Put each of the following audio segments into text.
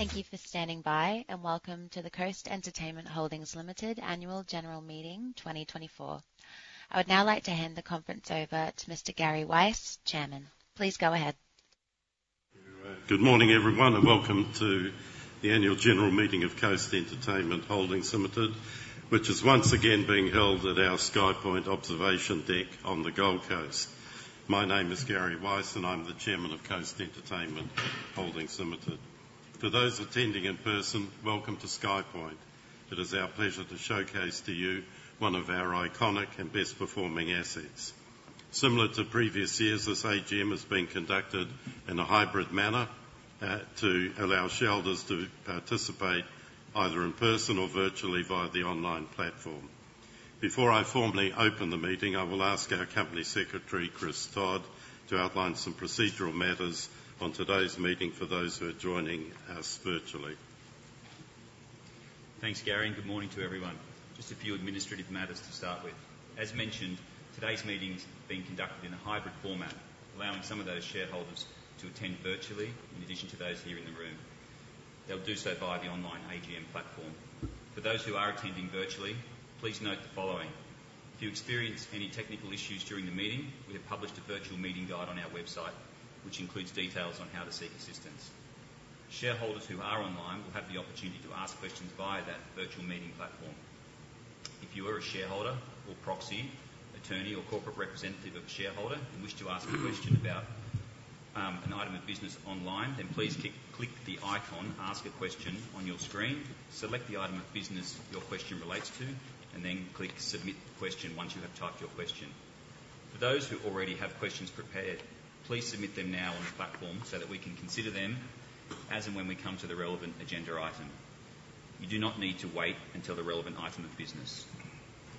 Thank you for standing by, and welcome to the Coast Entertainment Holdings Limited Annual General Meeting 2024. I would now like to hand the conference over to Mr. Gary Weiss, Chairman. Please go ahead. Good morning, everyone, and welcome to the Annual General Meeting of Coast Entertainment Holdings Limited, which is once again being held at our SkyPoint observation deck on the Gold Coast. My name is Gary Weiss, and I'm the Chairman of Coast Entertainment Holdings Limited. For those attending in person, welcome to SkyPoint. It is our pleasure to showcase to you one of our iconic and best-performing assets. Similar to previous years, this AGM has been conducted in a hybrid manner to allow shareholders to participate either in person or virtually via the online platform. Before I formally open the meeting, I will ask our Company Secretary, Chris Todd, to outline some procedural matters on today's meeting for those who are joining us virtually. Thanks, Gary, and good morning to everyone. Just a few administrative matters to start with. As mentioned, today's meeting's being conducted in a hybrid format, allowing some of those shareholders to attend virtually in addition to those here in the room. They'll do so via the online AGM platform. For those who are attending virtually, please note the following. If you experience any technical issues during the meeting, we have published a virtual meeting guide on our website, which includes details on how to seek assistance. Shareholders who are online will have the opportunity to ask questions via that virtual meeting platform. If you are a shareholder or proxy, attorney, or corporate representative of a shareholder and wish to ask a question about an item of business online, then please click the icon "Ask a Question" on your screen, select the item of business your question relates to, and then click "Submit Question" once you have typed your question. For those who already have questions prepared, please submit them now on the platform so that we can consider them as and when we come to the relevant agenda item. You do not need to wait until the relevant item of business.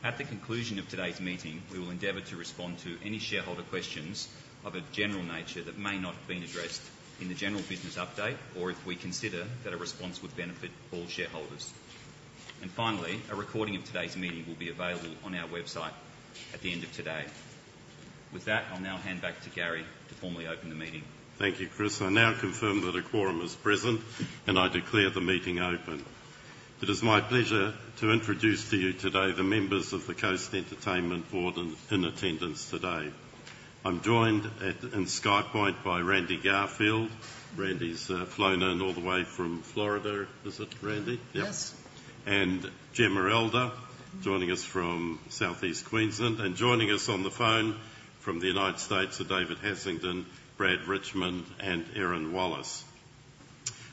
At the conclusion of today's meeting, we will endeavor to respond to any shareholder questions of a general nature that may not have been addressed in the general business update or if we consider that a response would benefit all shareholders. Finally, a recording of today's meeting will be available on our website at the end of today. With that, I'll now hand back to Gary to formally open the meeting. Thank you, Chris. I now confirm that the quorum is present, and I declare the meeting open. It is my pleasure to introduce to you today the members of the Coast Entertainment Board in attendance today. I'm joined in SkyPoint by Randy Garfield. Randy's flown in all the way from Florida. Is it Randy? Yes. And Jemma Elder joining us from Southeast Queensland, and joining us on the phone from the United States are David Haslingden, Brad Richmond, and Erin Wallace.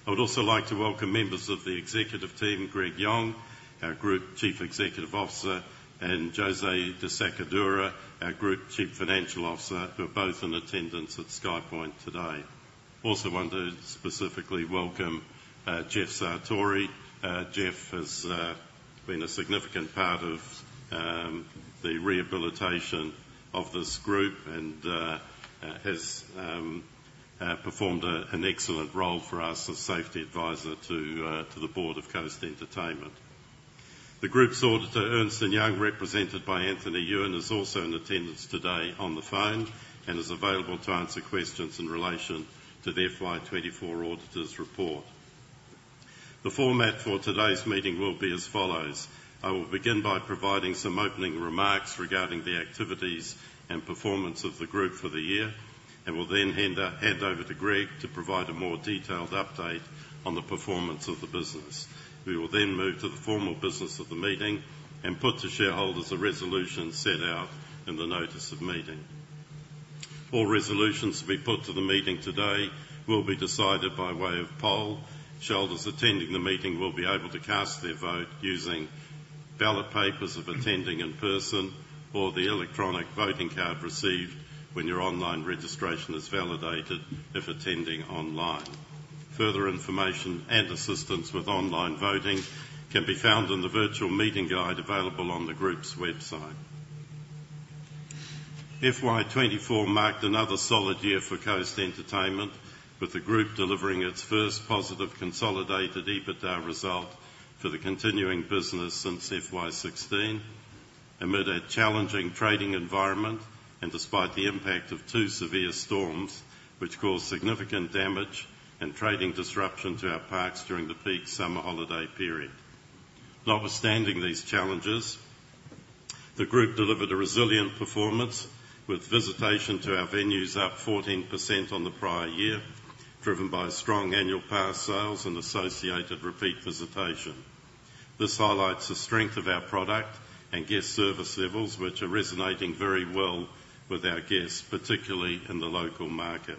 I would also like to welcome members of the executive team, Greg Yong, our Group Chief Executive Officer, and José De Sacadura, our Group Chief Financial Officer, who are both in attendance at SkyPoint today. I also want to specifically welcome Geoff Sartori. Geoff has been a significant part of the rehabilitation of this group and has performed an excellent role for us as safety advisor to the Board of Coast Entertainment. The Group's Auditor, Ernst & Young, represented by Anthony Yuan, is also in attendance today on the phone and is available to answer questions in relation to the FY24 auditor's report. The format for today's meeting will be as follows. I will begin by providing some opening remarks regarding the activities and performance of the group for the year, and will then hand over to Greg to provide a more detailed update on the performance of the business. We will then move to the formal business of the meeting and put to shareholders a resolution set out in the notice of meeting. All resolutions to be put to the meeting today will be decided by way of poll. Shareholders attending the meeting will be able to cast their vote using ballot papers for attending in person or the electronic voting card received when your online registration is validated if attending online. Further information and assistance with online voting can be found in the virtual meeting guide available on the Group's website. FY24 marked another solid year for Coast Entertainment, with the Group delivering its first positive consolidated EBITDA result for the continuing business since FY16. Amid a challenging trading environment and despite the impact of two severe storms, which caused significant damage and trading disruption to our parks during the peak summer holiday period, notwithstanding these challenges, the Group delivered a resilient performance, with visitation to our venues up 14% on the prior year, driven by strong annual pass sales and associated repeat visitation. This highlights the strength of our product and guest service levels, which are resonating very well with our guests, particularly in the local market.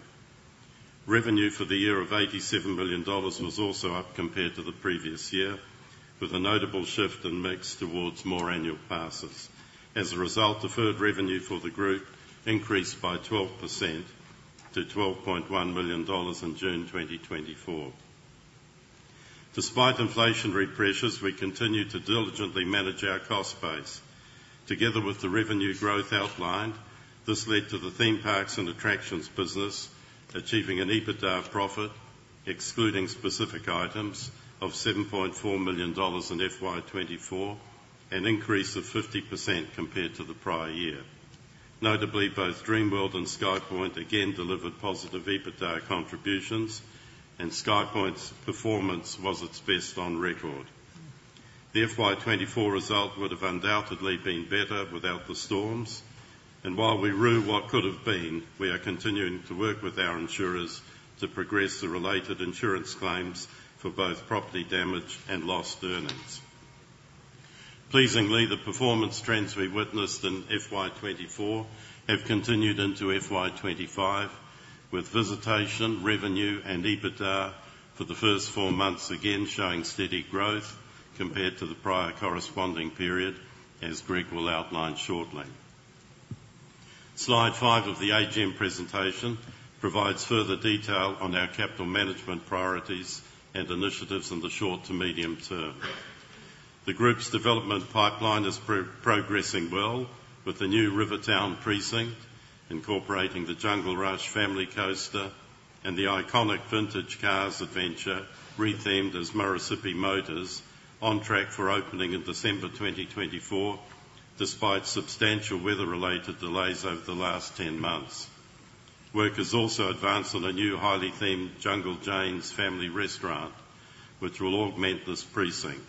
Revenue for the year of 87 million dollars was also up compared to the previous year, with a notable shift in mix towards more annual passes. As a result, deferred revenue for the Group increased by 12% to 12.1 million dollars in June 2024. Despite inflationary pressures, we continue to diligently manage our cost base. Together with the revenue growth outlined, this led to the theme parks and attractions business achieving an EBITDA profit, excluding specific items, of 7.4 million dollars in FY24, an increase of 50% compared to the prior year. Notably, both Dreamworld and SkyPoint again delivered positive EBITDA contributions, and SkyPoint's performance was its best on record. The FY24 result would have undoubtedly been better without the storms, and while we rue what could have been, we are continuing to work with our insurers to progress the related insurance claims for both property damage and lost earnings. Pleasingly, the performance trends we witnessed in FY24 have continued into FY25, with visitation, revenue, and EBITDA for the first four months again showing steady growth compared to the prior corresponding period, as Greg will outline shortly. Slide five of the AGM presentation provides further detail on our capital management priorities and initiatives in the short to medium term. The Group's development pipeline is progressing well, with the new Rivertown Precinct incorporating the Jungle Rush family coaster and the iconic vintage cars adventure rethemed as Murrissippi Motors, on track for opening in December 2024, despite substantial weather-related delays over the last 10 months. Work has also advanced on a new highly themed Jungle Jane's family restaurant, which will augment this precinct.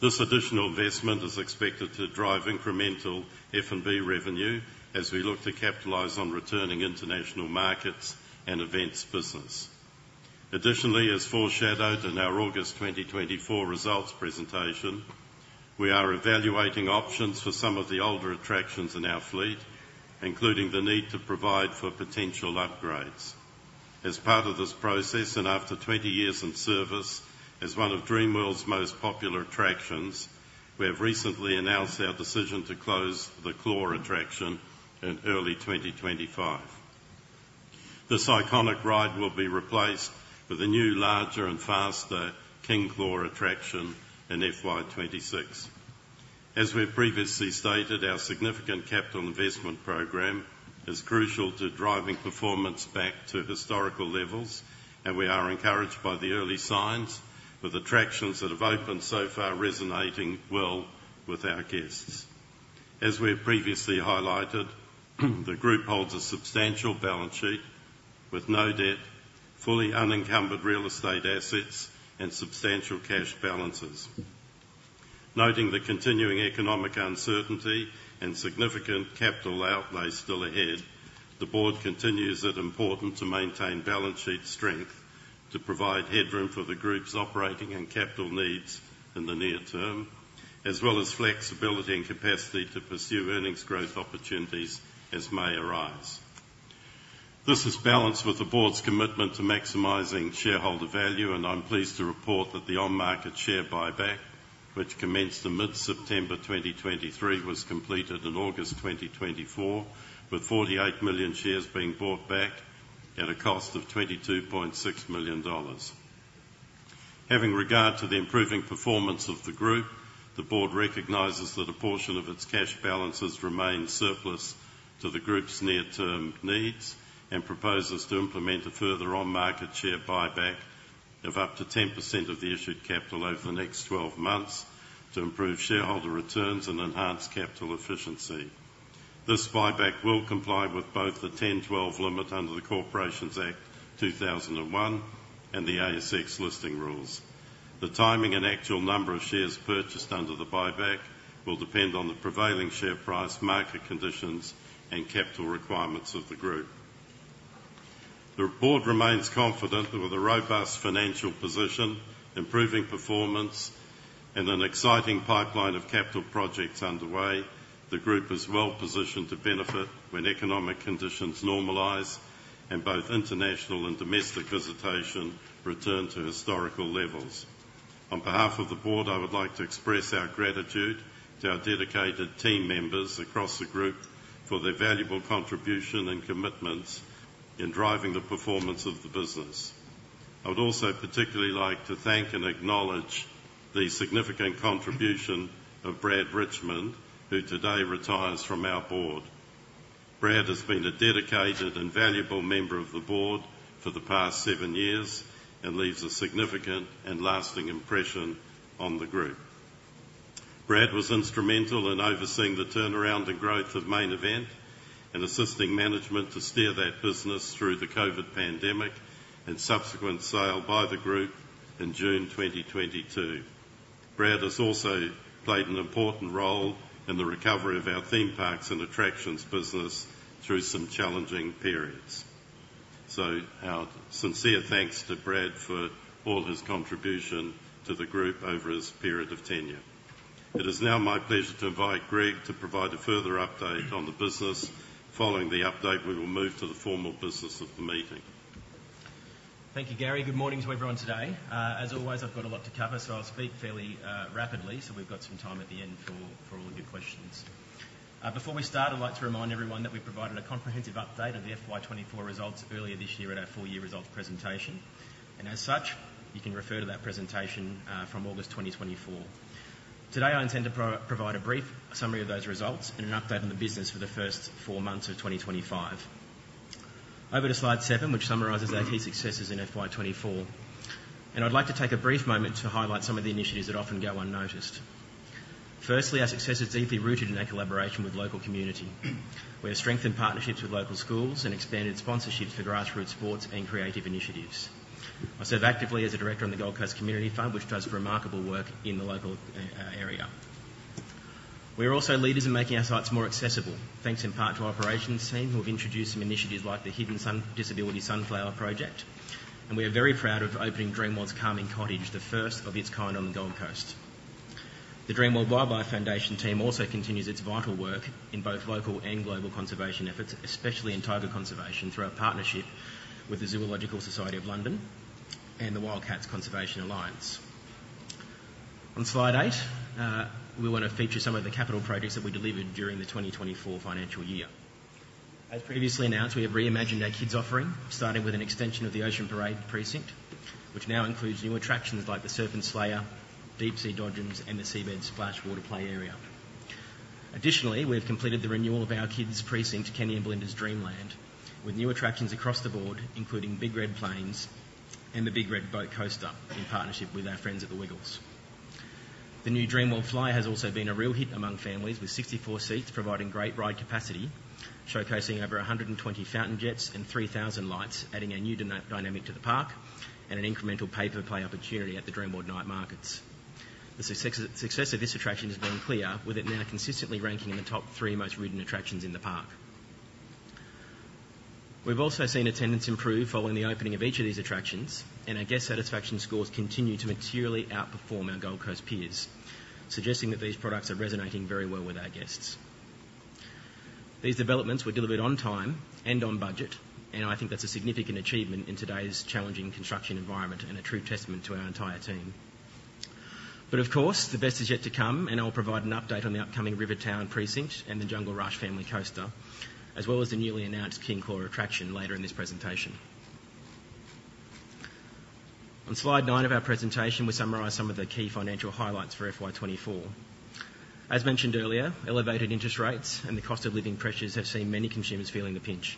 This additional investment is expected to drive incremental F&B revenue as we look to capitalize on returning international markets and events business. Additionally, as foreshadowed in our August 2024 results presentation, we are evaluating options for some of the older attractions in our fleet, including the need to provide for potential upgrades. As part of this process and after 20 years in service as one of Dreamworld's most popular attractions, we have recently announced our decision to close The Claw attraction in early 2025. This iconic ride will be replaced with a new, larger, and faster King Claw attraction in FY26. As we've previously stated, our significant capital investment program is crucial to driving performance back to historical levels, and we are encouraged by the early signs, with attractions that have opened so far resonating well with our guests. As we've previously highlighted, the Group holds a substantial balance sheet with no debt, fully unencumbered real estate assets, and substantial cash balances. Noting the continuing economic uncertainty and significant capital outlay still ahead, the Board continues that it's important to maintain balance sheet strength to provide headroom for the Group's operating and capital needs in the near term, as well as flexibility and capacity to pursue earnings growth opportunities as may arise. This is balanced with the Board's commitment to maximizing shareholder value, and I'm pleased to report that the on-market share buyback, which commenced in mid-September 2023, was completed in August 2024, with 48 million shares being bought back at a cost of 22.6 million dollars. Having regard to the improving performance of the Group, the Board recognizes that a portion of its cash balances remain surplus to the Group's near-term needs and proposes to implement a further on-market share buyback of up to 10% of the issued capital over the next 12 months to improve shareholder returns and enhance capital efficiency. This buyback will comply with both the 10/12 limit under the Corporations Act 2001 and the ASX listing rules. The timing and actual number of shares purchased under the buyback will depend on the prevailing share price, market conditions, and capital requirements of the Group. The Board remains confident that with a robust financial position, improving performance, and an exciting pipeline of capital projects underway, the Group is well positioned to benefit when economic conditions normalize and both international and domestic visitation return to historical levels. On behalf of the Board, I would like to express our gratitude to our dedicated team members across the Group for their valuable contribution and commitments in driving the performance of the business. I would also particularly like to thank and acknowledge the significant contribution of Brad Richmond, who today retires from our Board. Brad has been a dedicated and valuable member of the Board for the past seven years and leaves a significant and lasting impression on the Group. Brad was instrumental in overseeing the turnaround and growth of Main Event and assisting management to steer that business through the COVID pandemic and subsequent sale by the Group in June 2022. Brad has also played an important role in the recovery of our theme parks and attractions business through some challenging periods. Our sincere thanks to Brad for all his contribution to the Group over his period of tenure. It is now my pleasure to invite Greg to provide a further update on the business. Following the update, we will move to the formal business of the meeting. Thank you, Gary. Good morning to everyone today. As always, I've got a lot to cover, so I'll speak fairly rapidly so we've got some time at the end for all the good questions. Before we start, I'd like to remind everyone that we provided a comprehensive update of the FY24 results earlier this year at our four-year results presentation, and as such, you can refer to that presentation from August 2024. Today, I intend to provide a brief summary of those results and an update on the business for the first four months of 2025. Over to slide seven, which summarizes our key successes in FY24, and I'd like to take a brief moment to highlight some of the initiatives that often go unnoticed. Firstly, our success is deeply rooted in our collaboration with the local community. We have strengthened partnerships with local schools and expanded sponsorships for grassroots sports and creative initiatives. I serve actively as a director on the Gold Coast Community Fund, which does remarkable work in the local area. We are also leaders in making our sites more accessible, thanks in part to our operations team who have introduced some initiatives like the Hidden Disabilities Sunflower Project, and we are very proud of opening Dreamworld's Calming Cottage, the first of its kind on the Gold Coast. The Dreamworld Wildlife Foundation team also continues its vital work in both local and global conservation efforts, especially in tiger conservation, through our partnership with the Zoological Society of London and the Wildcats Conservation Alliance. On slide eight, we want to feature some of the capital projects that we delivered during the 2024 financial year. As previously announced, we have reimagined our kids' offering, starting with an extension of the Ocean Parade Precinct, which now includes new attractions like the Serpent Slayer, Deep Sea Dodgers, and the Seabed Splash Water Play Area. Additionally, we have completed the renewal of our kids' precinct, Kenny and Belinda's Dreamland, with new attractions across the board, including Big Red Planes and the Big Red Boat Coaster in partnership with our friends at the Wiggles. The new Dreamworld Fly has also been a real hit among families, with 64 seats providing great ride capacity, showcasing over 120 fountain jets and 3,000 lights, adding a new dynamic to the park and an incremental pay-per-play opportunity at the Dreamworld Night Markets. The success of this attraction has been clear, with it now consistently ranking in the top three most ridden attractions in the park. We've also seen attendance improve following the opening of each of these attractions, and our guest satisfaction scores continue to materially outperform our Gold Coast peers, suggesting that these products are resonating very well with our guests. These developments were delivered on time and on budget, and I think that's a significant achievement in today's challenging construction environment and a true testament to our entire team. But of course, the best is yet to come, and I'll provide an update on the upcoming Rivertown Precinct and the Jungle Rush Family Coaster, as well as the newly announced King Claw attraction later in this presentation. On slide nine of our presentation, we summarize some of the key financial highlights for FY24. As mentioned earlier, elevated interest rates and the cost of living pressures have seen many consumers feeling the pinch.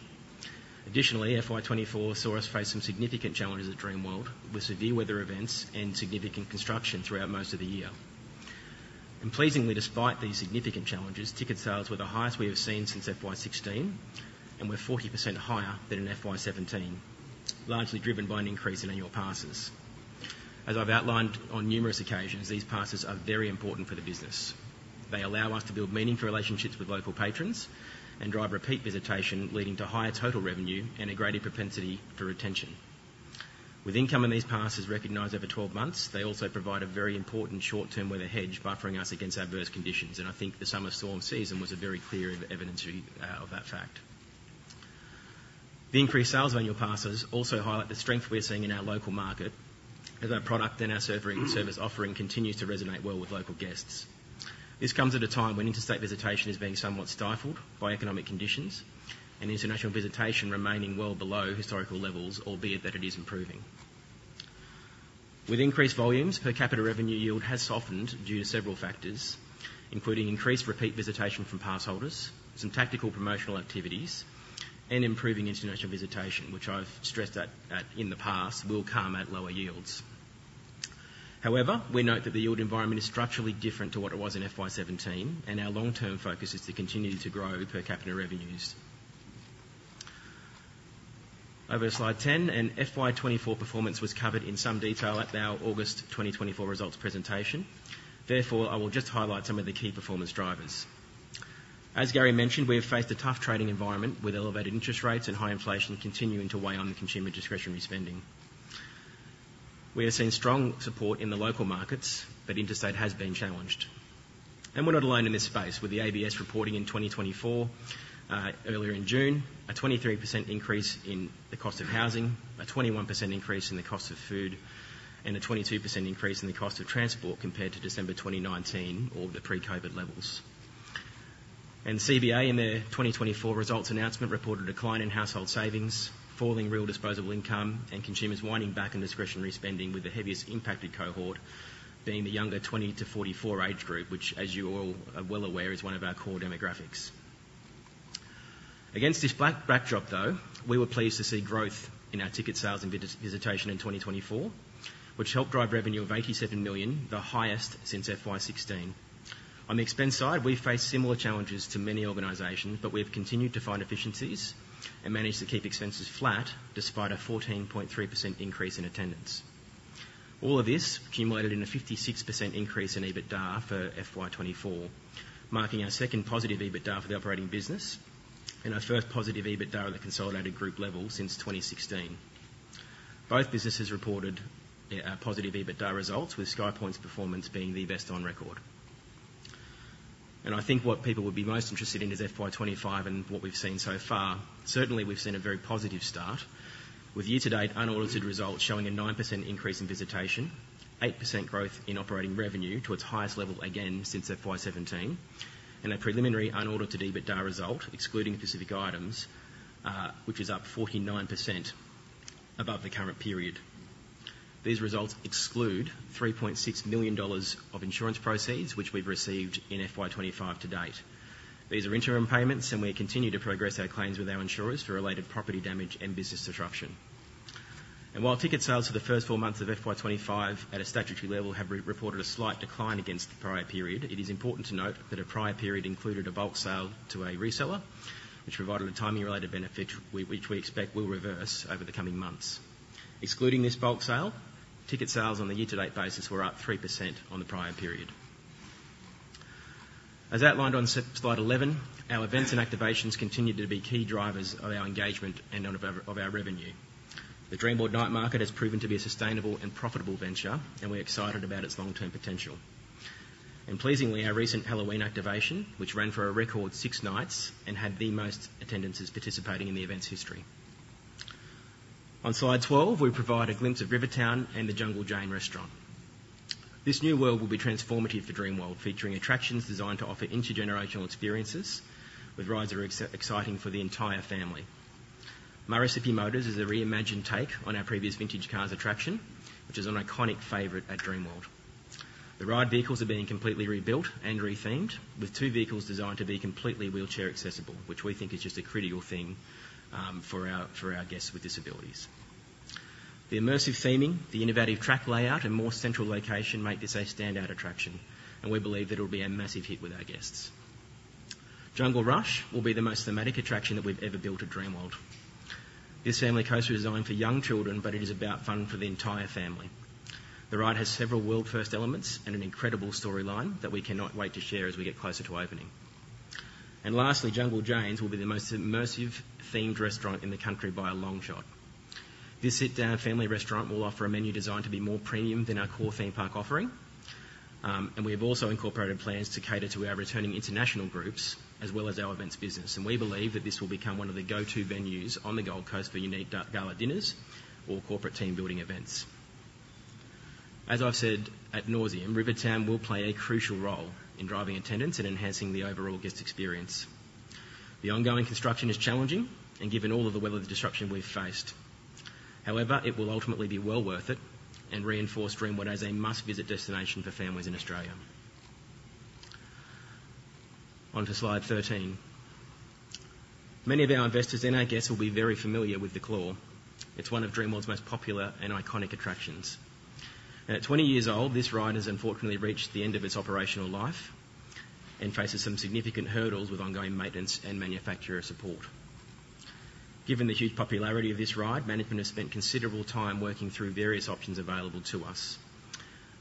Additionally, FY24 saw us face some significant challenges at Dreamworld with severe weather events and significant construction throughout most of the year, and pleasingly, despite these significant challenges, ticket sales were the highest we have seen since FY16 and were 40% higher than in FY17, largely driven by an increase in annual passes. As I've outlined on numerous occasions, these passes are very important for the business. They allow us to build meaningful relationships with local patrons and drive repeat visitation, leading to higher total revenue and a greater propensity for retention. With income in these passes recognized over 12 months, they also provide a very important short-term weather hedge, buffering us against adverse conditions, and I think the summer storm season was a very clear evidence of that fact. The increased sales of annual passes also highlight the strength we're seeing in our local market as our product and our service offering continues to resonate well with local guests. This comes at a time when interstate visitation is being somewhat stifled by economic conditions and international visitation remaining well below historical levels, albeit that it is improving. With increased volumes, per capita revenue yield has softened due to several factors, including increased repeat visitation from passholders, some tactical promotional activities, and improving international visitation, which I've stressed that in the past will come at lower yields. However, we note that the yield environment is structurally different to what it was in FY17, and our long-term focus is to continue to grow per capita revenues. Over to slide 10, and FY24 performance was covered in some detail at our August 2024 results presentation. Therefore, I will just highlight some of the key performance drivers. As Gary mentioned, we have faced a tough trading environment with elevated interest rates and high inflation continuing to weigh on the consumer discretionary spending. We have seen strong support in the local markets, but interstate has been challenged, and we're not alone in this space, with the ABS reporting in 2024, earlier in June, a 23% increase in the cost of housing, a 21% increase in the cost of food, and a 22% increase in the cost of transport compared to December 2019 or the pre-COVID levels, and CBA in their 2024 results announcement reported a decline in household savings, falling real disposable income, and consumers winding back in discretionary spending, with the heaviest impacted cohort being the younger 20 to 44 age group, which, as you all are well aware, is one of our core demographics. Against this backdrop, though, we were pleased to see growth in our ticket sales and visitation in 2024, which helped drive revenue of 87 million, the highest since FY16. On the expense side, we faced similar challenges to many organizations, but we have continued to find efficiencies and managed to keep expenses flat despite a 14.3% increase in attendance. All of this accumulated in a 56% increase in EBITDA for FY24, marking our second positive EBITDA for the operating business and our first positive EBITDA at the consolidated group level since 2016. Both businesses reported positive EBITDA results, with SkyPoint's performance being the best on record, and I think what people would be most interested in is FY25 and what we've seen so far. Certainly, we've seen a very positive start with year-to-date unaudited results showing a 9% increase in visitation, 8% growth in operating revenue to its highest level again since FY17, and a preliminary unaudited EBITDA result excluding specific items, which is up 49% above the current period. These results exclude 3.6 million dollars of insurance proceeds, which we've received in FY25 to date. These are interim payments, and we continue to progress our claims with our insurers for related property damage and business disruption. And while ticket sales for the first four months of FY25 at a statutory level have reported a slight decline against the prior period, it is important to note that a prior period included a bulk sale to a reseller, which provided a timing-related benefit which we expect will reverse over the coming months. Excluding this bulk sale, ticket sales on the year-to-date basis were up 3% on the prior period. As outlined on slide 11, our events and activations continue to be key drivers of our engagement and of our revenue. The Dreamworld Night Market has proven to be a sustainable and profitable venture, and we're excited about its long-term potential, and pleasingly, our recent Halloween activation, which ran for a record six nights and had the most attendances participating in the event's history. On slide 12, we provide a glimpse of Rivertown and the Jungle Jane's Restaurant. This new world will be transformative for Dreamworld, featuring attractions designed to offer intergenerational experiences, with rides that are exciting for the entire family. Murrissippi Motors is a reimagined take on our previous vintage cars attraction, which is an iconic favorite at Dreamworld. The ride vehicles are being completely rebuilt and rethemed, with two vehicles designed to be completely wheelchair accessible, which we think is just a critical thing for our guests with disabilities. The immersive theming, the innovative track layout, and more central location make this a standout attraction, and we believe that it will be a massive hit with our guests. Jungle Rush will be the most thematic attraction that we've ever built at Dreamworld. This family coaster is designed for young children, but it is about fun for the entire family. The ride has several world-first elements and an incredible storyline that we cannot wait to share as we get closer to opening. And lastly, Jungle Jane's will be the most immersive themed restaurant in the country by a long shot. This sit-down family restaurant will offer a menu designed to be more premium than our core theme park offering, and we have also incorporated plans to cater to our returning international groups as well as our events business. We believe that this will become one of the go-to venues on the Gold Coast for unique gala dinners or corporate team-building events. As I've said at nauseam, Rivertown will play a crucial role in driving attendance and enhancing the overall guest experience. The ongoing construction is challenging, given all of the weather disruption we've faced. However, it will ultimately be well worth it and reinforce Dreamworld as a must-visit destination for families in Australia. On to slide 13. Many of our investors and our guests will be very familiar with The Claw. It's one of Dreamworld's most popular and iconic attractions. At 20 years old, this ride has unfortunately reached the end of its operational life and faces some significant hurdles with ongoing maintenance and manufacturer support. Given the huge popularity of this ride, management has spent considerable time working through various options available to us,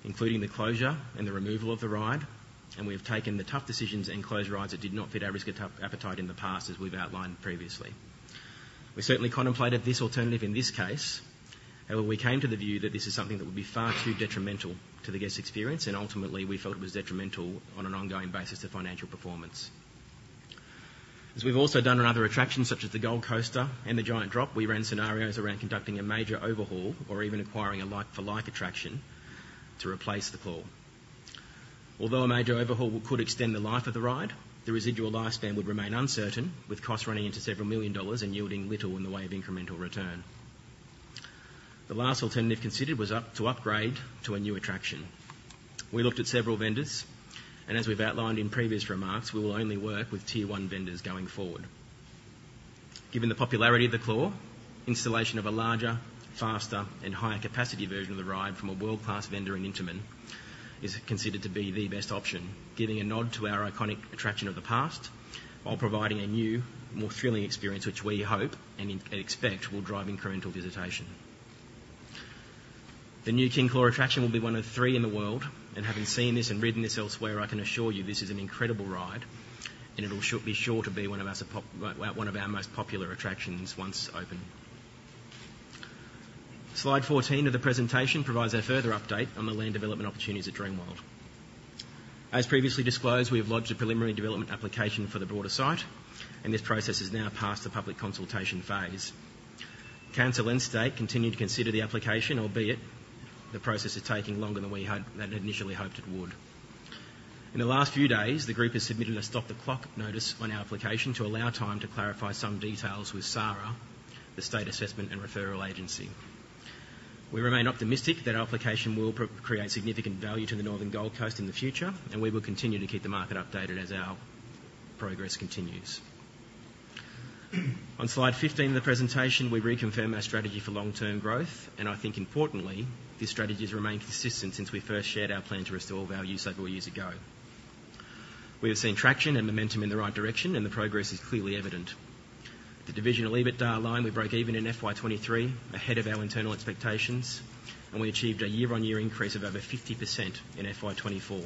including the closure and the removal of the ride, and we have taken the tough decisions and closed rides that did not fit our risk appetite in the past, as we've outlined previously. We certainly contemplated this alternative in this case, however, we came to the view that this is something that would be far too detrimental to the guest experience, and ultimately, we felt it was detrimental on an ongoing basis to financial performance. As we've also done on other attractions such as the Gold Coaster and the Giant Drop, we ran scenarios around conducting a major overhaul or even acquiring a like-for-like attraction to replace The Claw. Although a major overhaul could extend the life of the ride, the residual lifespan would remain uncertain, with costs running into several million dollars and yielding little in the way of incremental return. The last alternative considered was to upgrade to a new attraction. We looked at several vendors, and as we've outlined in previous remarks, we will only work with tier-one vendors going forward. Given the popularity of The Claw, installation of a larger, faster, and higher capacity version of the ride from a world-class vendor in Intamin is considered to be the best option, giving a nod to our iconic attraction of the past while providing a new, more thrilling experience, which we hope and expect will drive incremental visitation. The new King Claw attraction will be one of three in the world, and having seen this and ridden this elsewhere, I can assure you this is an incredible ride, and it will be sure to be one of our most popular attractions once open. Slide 14 of the presentation provides a further update on the land development opportunities at Dreamworld. As previously disclosed, we have lodged a preliminary development application for the broader site, and this process has now passed the public consultation phase. Council and state continue to consider the application, albeit the process is taking longer than we had initially hoped it would. In the last few days, the group has submitted a stop-the-clock notice on our application to allow time to clarify some details with SARA, the State Assessment and Referral Agency. We remain optimistic that our application will create significant value to the northern Gold Coast in the future, and we will continue to keep the market updated as our progress continues. On slide 15 of the presentation, we reconfirm our strategy for long-term growth, and I think importantly, this strategy has remained consistent since we first shared our plan to restore value several years ago. We have seen traction and momentum in the right direction, and the progress is clearly evident. The divisional EBITDA line, we broke even in FY23 ahead of our internal expectations, and we achieved a year-on-year increase of over 50% in FY24.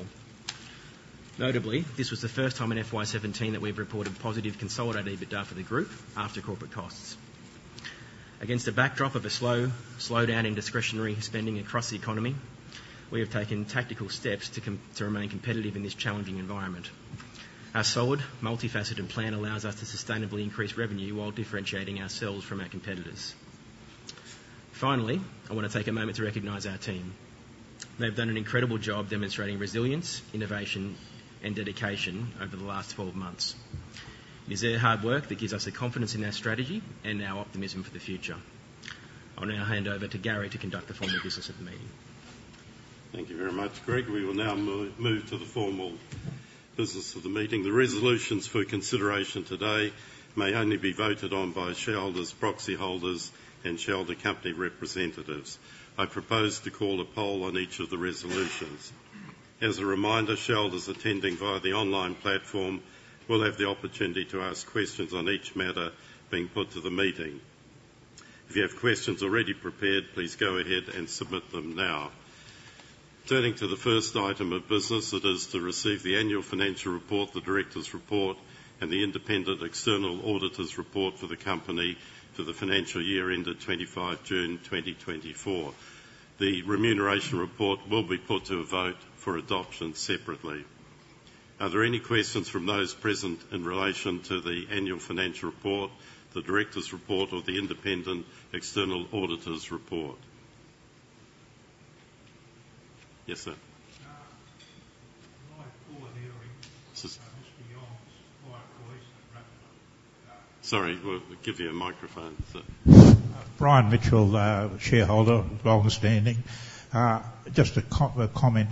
Notably, this was the first time in FY17 that we've reported positive consolidated EBITDA for the group after corporate costs. Against the backdrop of a slowdown in discretionary spending across the economy, we have taken tactical steps to remain competitive in this challenging environment. Our solid, multifaceted plan allows us to sustainably increase revenue while differentiating ourselves from our competitors. Finally, I want to take a moment to recognize our team. They've done an incredible job demonstrating resilience, innovation, and dedication over the last 12 months. It is their hard work that gives us the confidence in our strategy and our optimism for the future. I'll now hand over to Gary to conduct the formal business of the meeting. Thank you very much, Greg. We will now move to the formal business of the meeting. The resolutions for consideration today may only be voted on by shareholders, proxy holders, and shareholder company representatives. I propose to call a poll on each of the resolutions. As a reminder, shareholders attending via the online platform will have the opportunity to ask questions on each matter being put to the meeting. If you have questions already prepared, please go ahead and submit them now. Turning to the first item of business, it is to receive the annual financial report, the director's report, and the independent external auditor's report for the company for the financial year ended 25 June 2024. The remuneration report will be put to a vote for adoption separately. Are there any questions from those present in relation to the annual financial report, the director's report, or the independent external auditor's report? Yes, sir. Sorry, we'll give you a microphone. Brian Mitchell, shareholder, long-standing. Just a comment.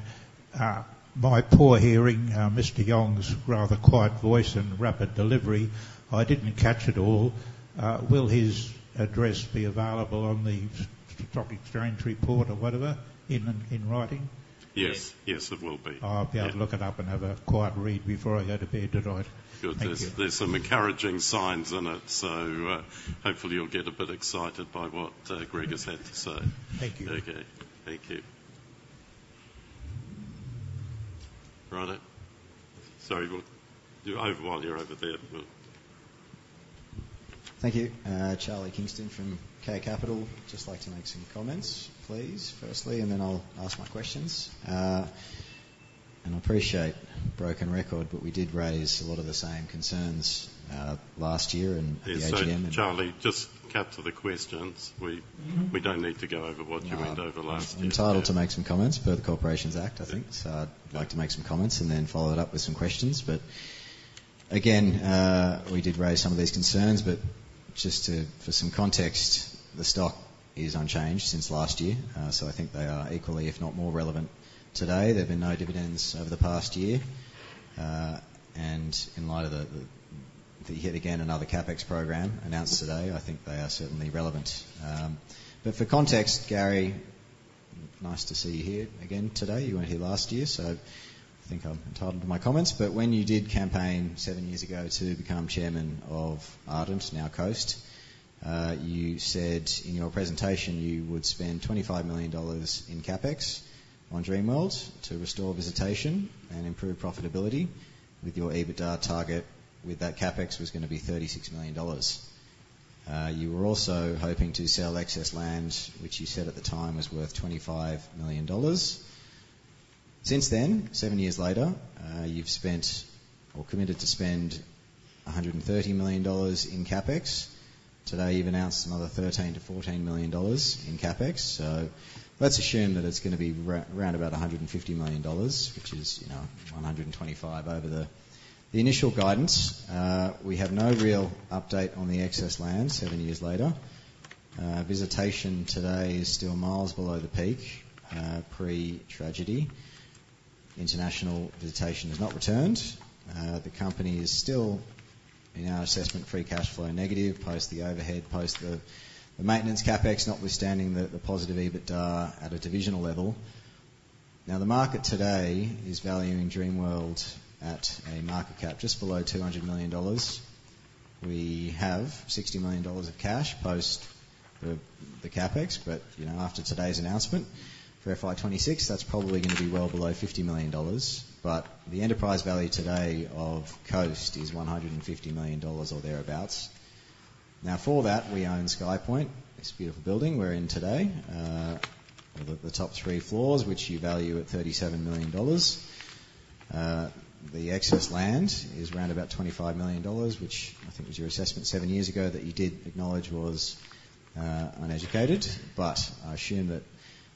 By poor hearing, Mr. Yong's rather quiet voice and rapid delivery, I didn't catch it all. Will his address be available on the stock exchange report or whatever in writing? Yes, yes, it will be. I'll be able to look it up and have a quiet read before I go to bed tonight. Good. There's some encouraging signs in it, so hopefully you'll get a bit excited by what Greg has had to say. Thank you. Okay, thank you. Right. Sorry, we'll do over while you're over there. Thank you. Charlie Kingston from K Capital. Just like to make some comments, please, firstly, and then I'll ask my questions. And I appreciate broken record, but we did raise a lot of the same concerns last year and the AGM. Charlie, just cut to the questions. We don't need to go over what you went over last. I'm entitled to make some comments per the Corporations Act, I think. So I'd like to make some comments and then follow it up with some questions. But again, we did raise some of these concerns, but just for some context, the stock is unchanged since last year, so I think they are equally, if not more relevant today. There have been no dividends over the past year. And in light of the yet again another CapEx program announced today, I think they are certainly relevant. But for context, Gary, nice to see you here again today. You weren't here last year, so I think I'm entitled to my comments. But when you did campaign seven years ago to become chairman of Ardent, now Coast, you said in your presentation you would spend 25 million dollars in CapEx on Dreamworld to restore visitation and improve profitability with your EBITDA target, with that CapEx was going to be 36 million dollars. You were also hoping to sell excess land, which you said at the time was worth 25 million dollars. Since then, seven years later, you've spent or committed to spend 130 million dollars in CapEx. Today, you've announced another 13-14 million dollars in CapEx. So let's assume that it's going to be around about 150 million dollars, which is 125 over the initial guidance. We have no real update on the excess land seven years later. Visitation today is still miles below the peak pre-tragedy. International visitation has not returned. The company is still, in our assessment, free cash flow negative post the overhead, post the maintenance CapEx notwithstanding the positive EBITDA at a divisional level. Now, the market today is valuing Dreamworld at a market cap just below $200 million. We have $60 million of cash post the CapEx, but after today's announcement for FY26, that's probably going to be well below $50 million. But the enterprise value today of Coast is $150 million or thereabouts. Now, for that, we own SkyPoint, this beautiful building we're in today, the top three floors, which you value at $37 million. The excess land is around about $25 million, which I think was your assessment seven years ago that you did acknowledge was uneducated. But I assume that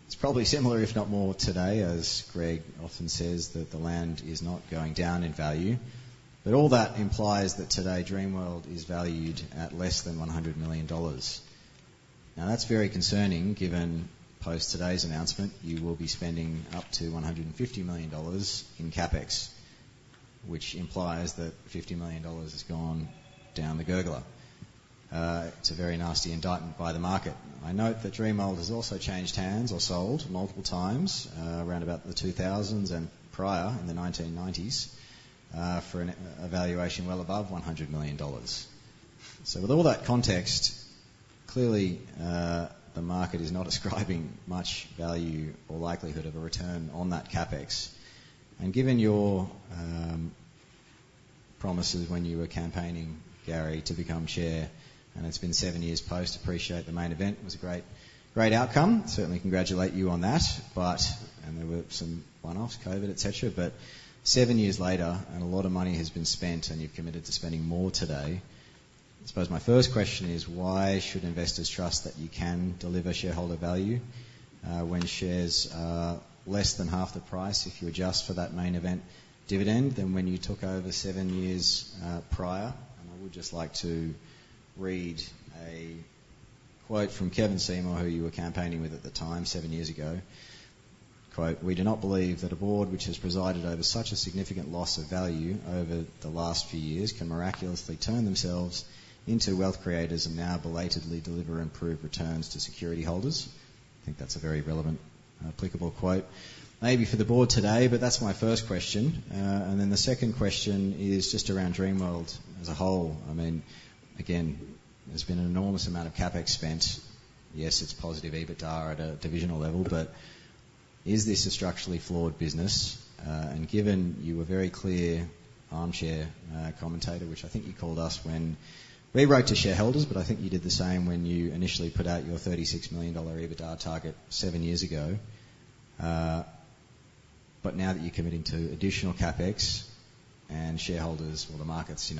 it's probably similar, if not more, today, as Greg often says, that the land is not going down in value. But all that implies that today Dreamworld is valued at less than 100 million dollars. Now, that's very concerning given post today's announcement you will be spending up to 150 million dollars in CapEx, which implies that 50 million dollars has gone down the gurgler. It's a very nasty indictment by the market. I note that Dreamworld has also changed hands or sold multiple times around about the 2000s and prior in the 1990s for a valuation well above 100 million dollars. So with all that context, clearly the market is not ascribing much value or likelihood of a return on that CapEx. And given your promises when you were campaigning, Gary, to become Chair, and it's been seven years post, appreciate the Main Event was a great outcome. Certainly congratulate you on that. But and there were some one-offs, COVID, etc., but seven years later and a lot of money has been spent and you've committed to spending more today. I suppose my first question is, why should investors trust that you can deliver shareholder value when shares are less than half the price if you adjust for that Main Event dividend than when you took over seven years prior? And I would just like to read a quote from Kevin Seymour, who you were campaigning with at the time seven years ago. "We do not believe that a board which has presided over such a significant loss of value over the last few years can miraculously turn themselves into wealth creators and now belatedly deliver improved returns to security holders." I think that's a very relevant, applicable quote. Maybe for the board today, but that's my first question. And then the second question is just around Dreamworld as a whole. I mean, again, there's been an enormous amount of CapEx spent. Yes, it's positive EBITDA at a divisional level, but is this a structurally flawed business? And given you were a very clear armchair commentator, which I think you called us when we wrote to shareholders, but I think you did the same when you initially put out your $36 million EBITDA target seven years ago. But now that you're committing to additional CapEx and shareholders, well, the markets,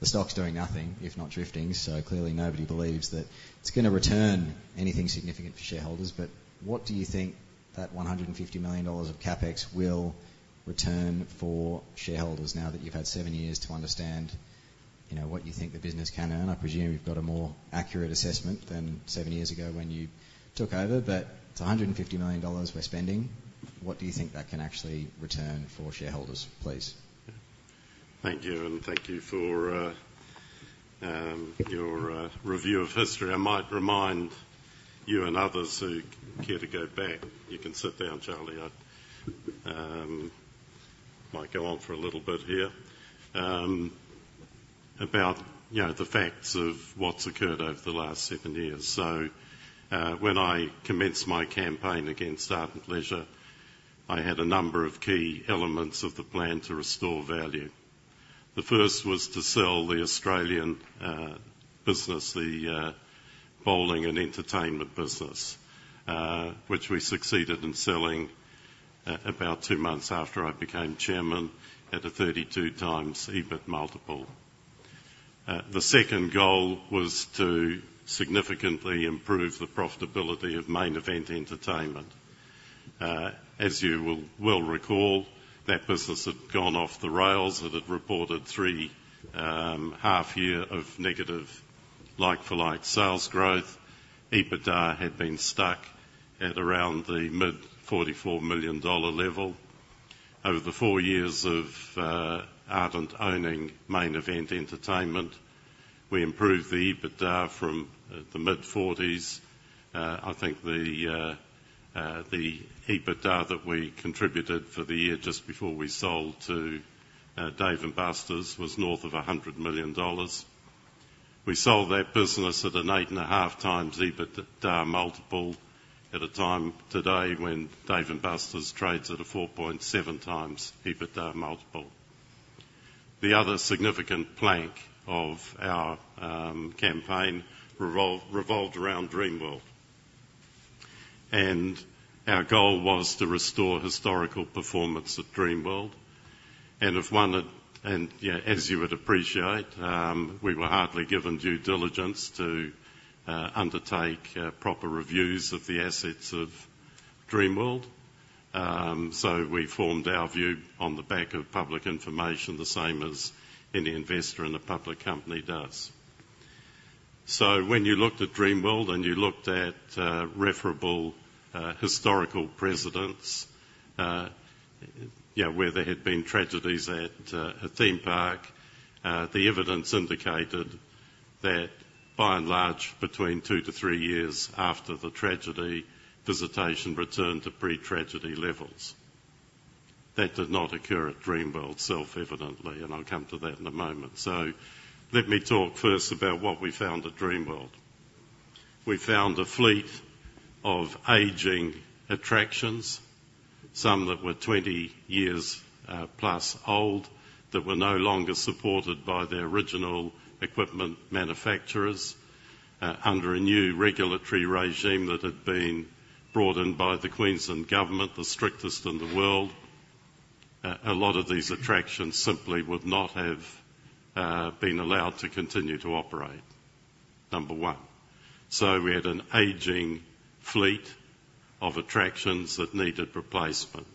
the stock's doing nothing, if not drifting. So clearly nobody believes that it's going to return anything significant for shareholders. But what do you think that $150 million of CapEx will return for shareholders now that you've had seven years to understand what you think the business can earn? I presume you've got a more accurate assessment than seven years ago when you took over, but it's 150 million dollars we're spending. What do you think that can actually return for shareholders, please? Thank you. And thank you for your review of history. I might remind you and others who care to go back. You can sit down, Charlie. I might go on for a little bit here about the facts of what's occurred over the last seven years. So when I commenced my campaign against Ardent Leisure, I had a number of key elements of the plan to restore value. The first was to sell the Australian business, the bowling and entertainment business, which we succeeded in selling about two months after I became chairman at a 32 times EBIT multiple. The second goal was to significantly improve the profitability of Main Event Entertainment. As you will recall, that business had gone off the rails. It had reported three half-year of negative like-for-like sales growth. EBITDA had been stuck at around the mid-AUD 44 million level. Over the four years of Ardent owning Main Event Entertainment, we improved the EBITDA from the mid-40s. I think the EBITDA that we contributed for the year just before we sold to Dave & Buster's was north of 100 million dollars. We sold that business at an eight and a half times EBITDA multiple at a time today when Dave & Buster's trades at a 4.7 times EBITDA multiple. The other significant plank of our campaign revolved around Dreamworld, and our goal was to restore historical performance at Dreamworld, and as you would appreciate, we were hardly given due diligence to undertake proper reviews of the assets of Dreamworld. We formed our view on the back of public information the same as any investor in a public company does. So when you looked at Dreamworld and you looked at referable historical precedents, where there had been tragedies at a theme park, the evidence indicated that by and large, between two to three years after the tragedy, visitation returned to pre-tragedy levels. That did not occur at Dreamworld, self-evidently, and I'll come to that in a moment. So let me talk first about what we found at Dreamworld. We found a fleet of aging attractions, some that were 20 years plus old, that were no longer supported by their original equipment manufacturers under a new regulatory regime that had been brought in by the Queensland government, the strictest in the world. A lot of these attractions simply would not have been allowed to continue to operate, number one. So we had an aging fleet of attractions that needed replacement.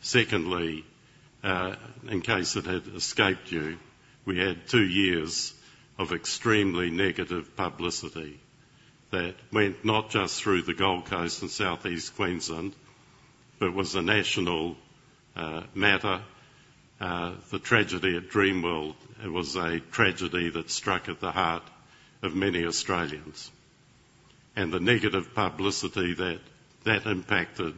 Secondly, in case it had escaped you, we had two years of extremely negative publicity that went not just through the Gold Coast and Southeast Queensland, but was a national matter. The tragedy at Dreamworld was a tragedy that struck at the heart of many Australians. And the negative publicity that that impacted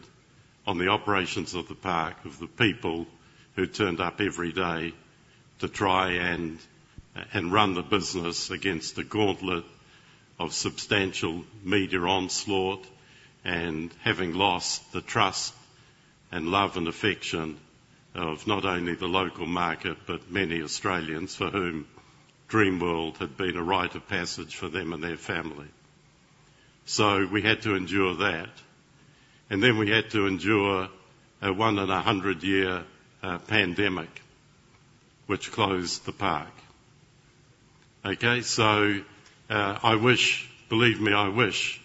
on the operations of the park, of the people who turned up every day to try and run the business against the gauntlet of substantial media onslaught and having lost the trust and love and affection of not only the local market, but many Australians for whom Dreamworld had been a rite of passage for them and their family. So we had to endure that. And then we had to endure a one-in-a-hundred-year pandemic, which closed the park. Okay? So I wish, believe me, I wish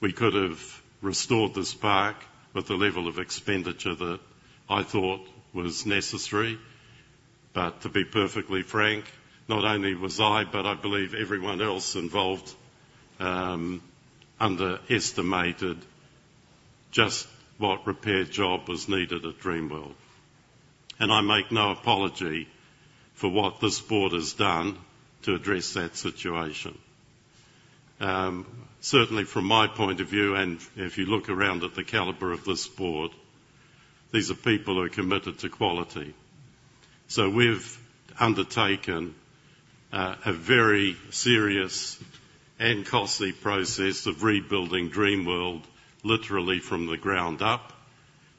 we could have restored this park with the level of expenditure that I thought was necessary. But to be perfectly frank, not only was I, but I believe everyone else involved underestimated just what repair job was needed at Dreamworld. And I make no apology for what this board has done to address that situation. Certainly, from my point of view, and if you look around at the caliber of this board, these are people who are committed to quality. So we've undertaken a very serious and costly process of rebuilding Dreamworld literally from the ground up,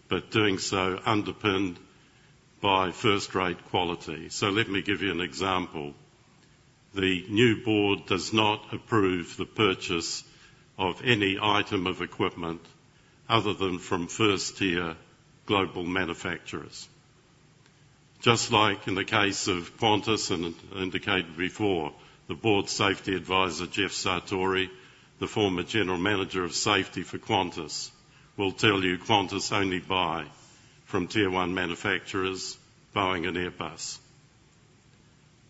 but doing so underpinned by first-rate quality. So let me give you an example. The new board does not approve the purchase of any item of equipment other than from first-tier global manufacturers. Just like in the case of Qantas and indicated before, the Board Safety Advisor, Geoff Sartori, the former general manager of safety for Qantas, will tell you Qantas only buy from tier one manufacturers, Boeing and Airbus.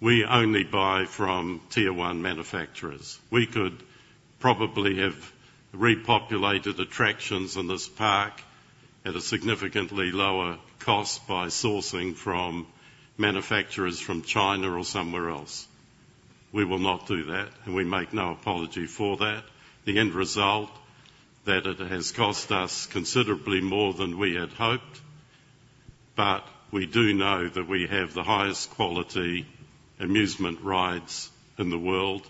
We only buy from tier one manufacturers. We could probably have repopulated attractions in this park at a significantly lower cost by sourcing from manufacturers from China or somewhere else. We will not do that, and we make no apology for that. The end result is that it has cost us considerably more than we had hoped. But we do know that we have the highest quality amusement rides in the world.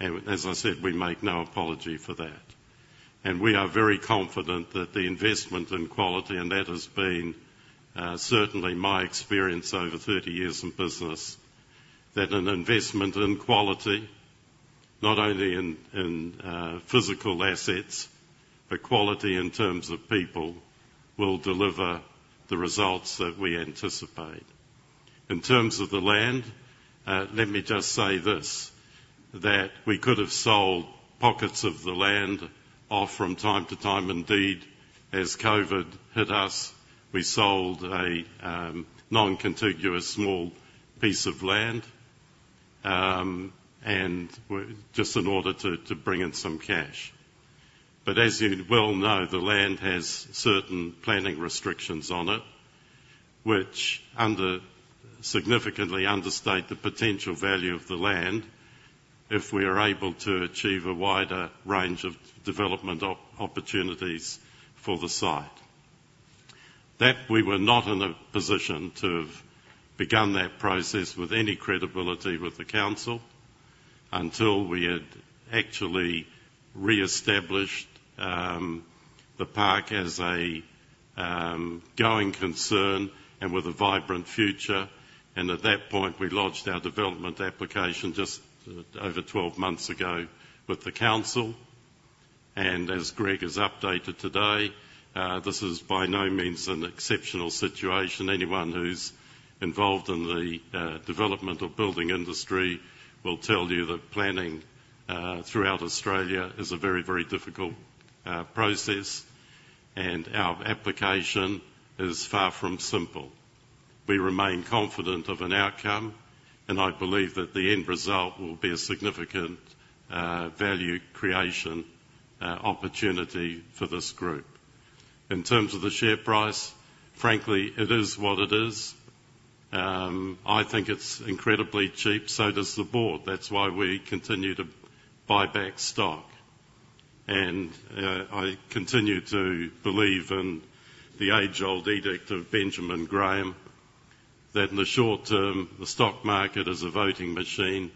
And as I said, we make no apology for that. We are very confident that the investment in quality, and that has been certainly my experience over 30 years in business, that an investment in quality, not only in physical assets, but quality in terms of people, will deliver the results that we anticipate. In terms of the land, let me just say this: that we could have sold pockets of the land off from time to time. Indeed, as COVID hit us, we sold a non-contiguous small piece of land just in order to bring in some cash. But as you well know, the land has certain planning restrictions on it, which significantly understate the potential value of the land if we are able to achieve a wider range of development opportunities for the site. That we were not in a position to have begun that process with any credibility with the council until we had actually reestablished the park as a going concern and with a vibrant future, and at that point, we lodged our development application just over 12 months ago with the council, and as Greg has updated today, this is by no means an exceptional situation. Anyone who's involved in the development or building industry will tell you that planning throughout Australia is a very, very difficult process, and our application is far from simple. We remain confident of an outcome, and I believe that the end result will be a significant value creation opportunity for this group. In terms of the share price, frankly, it is what it is. I think it's incredibly cheap, so does the board. That's why we continue to buy back stock. I continue to believe in the age-old edict of Benjamin Graham that in the short term, the stock market is a voting machine,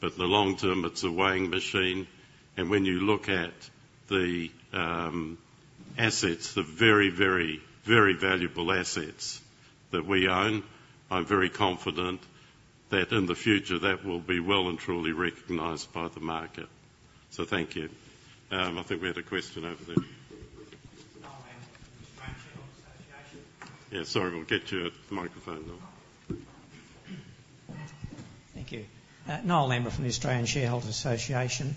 but in the long term, it's a weighing machine. And when you look at the assets, the very, very, very valuable assets that we own, I'm very confident that in the future, that will be well and truly recognized by the market. So thank you. I think we had a question over there. Yeah, sorry. We'll get you at the microphone though. Thank you. Niall Ambler from the Australian Shareholders' Association.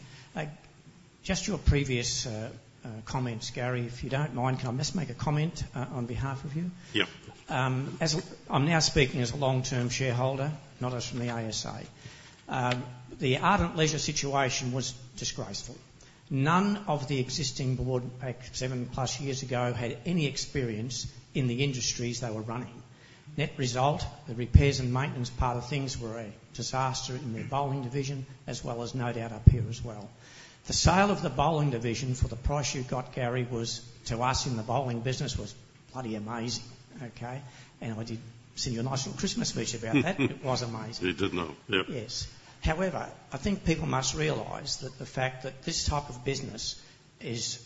Just your previous comments, Gary, if you don't mind, can I just make a comment on behalf of you? Yeah. I'm now speaking as a long-term shareholder, not as from the ASA. The Ardent Leisure situation was disgraceful. None of the existing board seven plus years ago had any experience in the industries they were running. Net result, the repairs and maintenance part of things were a disaster in the bowling division, as well as no doubt up here as well. The sale of the bowling division for the price you got, Gary, was to us in the bowling business bloody amazing. Okay? And I did send you a nice little Christmas speech about that. It was amazing. It did, though. Yes. However, I think people must realize that the fact that this type of business is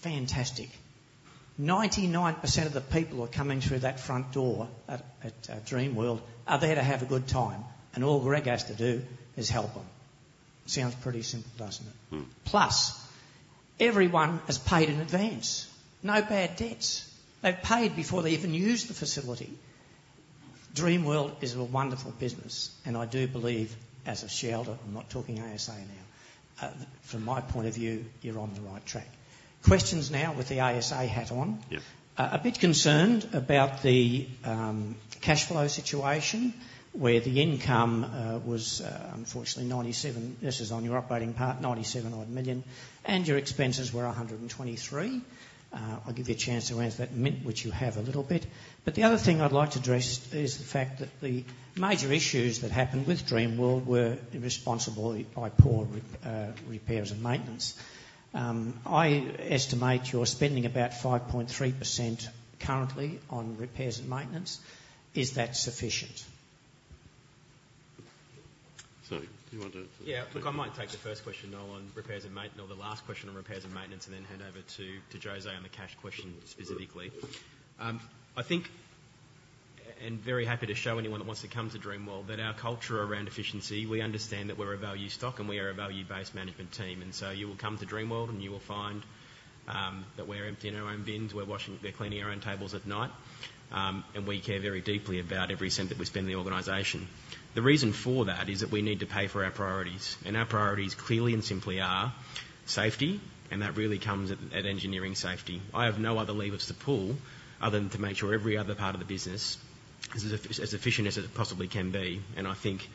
fantastic. 99% of the people who are coming through that front door at Dreamworld are there to have a good time. And all Greg has to do is help them. Sounds pretty simple, doesn't it? Plus, everyone has paid in advance. No bad debts. They've paid before they even used the facility. Dreamworld is a wonderful business. And I do believe, as a shareholder, I'm not talking ASA now. From my point of view, you're on the right track. Questions now with the ASA hat on. A bit concerned about the cash flow situation where the income was unfortunately 97. This is on your operating part, 97-odd million. And your expenses were 123 million. I'll give you a chance to answer that, which you have a little bit. But the other thing I'd like to address is the fact that the major issues that happened with Dreamworld were responsibly by poor repairs and maintenance. I estimate you're spending about 5.3% currently on repairs and maintenance. Is that sufficient? Sorry. Do you want to? Yeah. Look, I might take the first question, Niall, on repairs and maintenance, or the last question on repairs and maintenance, and then hand over to José on the cash question specifically. I think, and very happy to show anyone that wants to come to Dreamworld, that our culture around efficiency, we understand that we're a value stock and we are a value-based management team. And so you will come to Dreamworld and you will find that we're emptying our own bins, we're cleaning our own tables at night, and we care very deeply about every cent that we spend in the organization. The reason for that is that we need to pay for our priorities. And our priorities clearly and simply are safety, and that really comes at engineering safety. I have no other levers to pull other than to make sure every other part of the business is as efficient as it possibly can be, and I think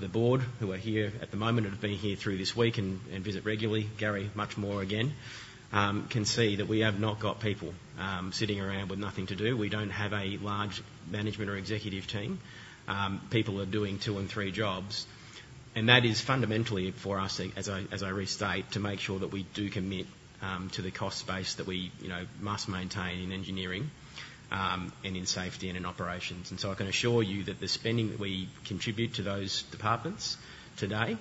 the board who are here at the moment and have been here through this week and visit regularly, Gary, much more again, can see that we have not got people sitting around with nothing to do. We don't have a large management or executive team. People are doing two and three jobs, and that is fundamentally for us, as I restate, to make sure that we do commit to the cost base that we must maintain in engineering and in safety and in operations. And so I can assure you that the spending that we contribute to those departments today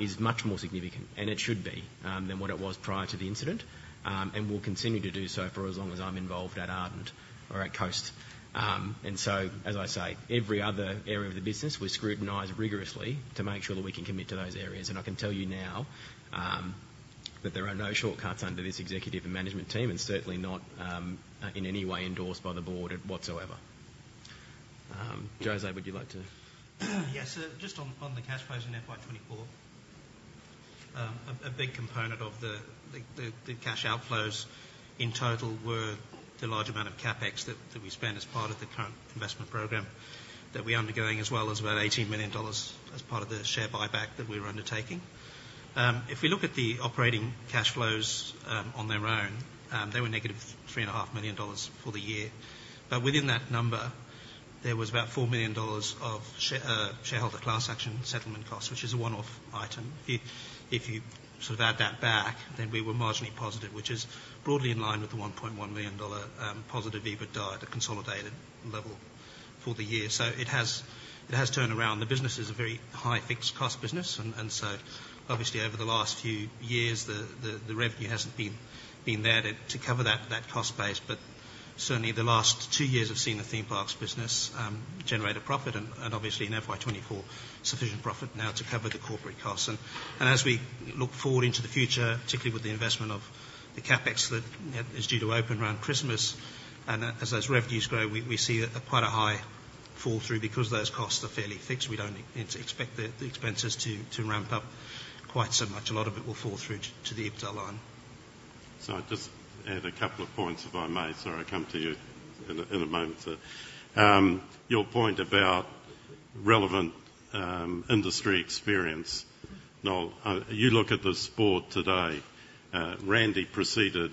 is much more significant, and it should be than what it was prior to the incident, and will continue to do so for as long as I'm involved at Ardent or at Coast. And so, as I say, every other area of the business, we scrutinize rigorously to make sure that we can commit to those areas. And I can tell you now that there are no shortcuts under this executive and management team, and certainly not in any way endorsed by the board whatsoever. José, would you like to? Yeah. Just on the cash flows in FY24, a big component of the cash outflows in total were the large amount of CapEx that we spend as part of the current investment program that we're undergoing, as well as about AUD 18 million as part of the share buyback that we were undertaking. If we look at the operating cash flows on their own, they were negative 3.5 million dollars for the year. But within that number, there was about 4 million dollars of shareholder class action settlement costs, which is a one-off item. If you sort of add that back, then we were marginally positive, which is broadly in line with the 1.1 million dollar positive EBITDA at a consolidated level for the year. So it has turned around. The business is a very high fixed cost business. Obviously, over the last few years, the revenue hasn't been there to cover that cost base. But certainly, the last two years have seen the theme parks business generate a profit, and obviously, in FY24, sufficient profit now to cover the corporate costs. As we look forward into the future, particularly with the investment of the CapEx that is due to open around Christmas, and as those revenues grow, we see quite a high fall through because those costs are fairly fixed. We don't expect the expenses to ramp up quite so much. A lot of it will fall through to the EBITDA line. So just add a couple of points, if I may. Sorry, I'll come to you in a moment. Your point about relevant industry experience, Niall, you look at this board today. Randy preceded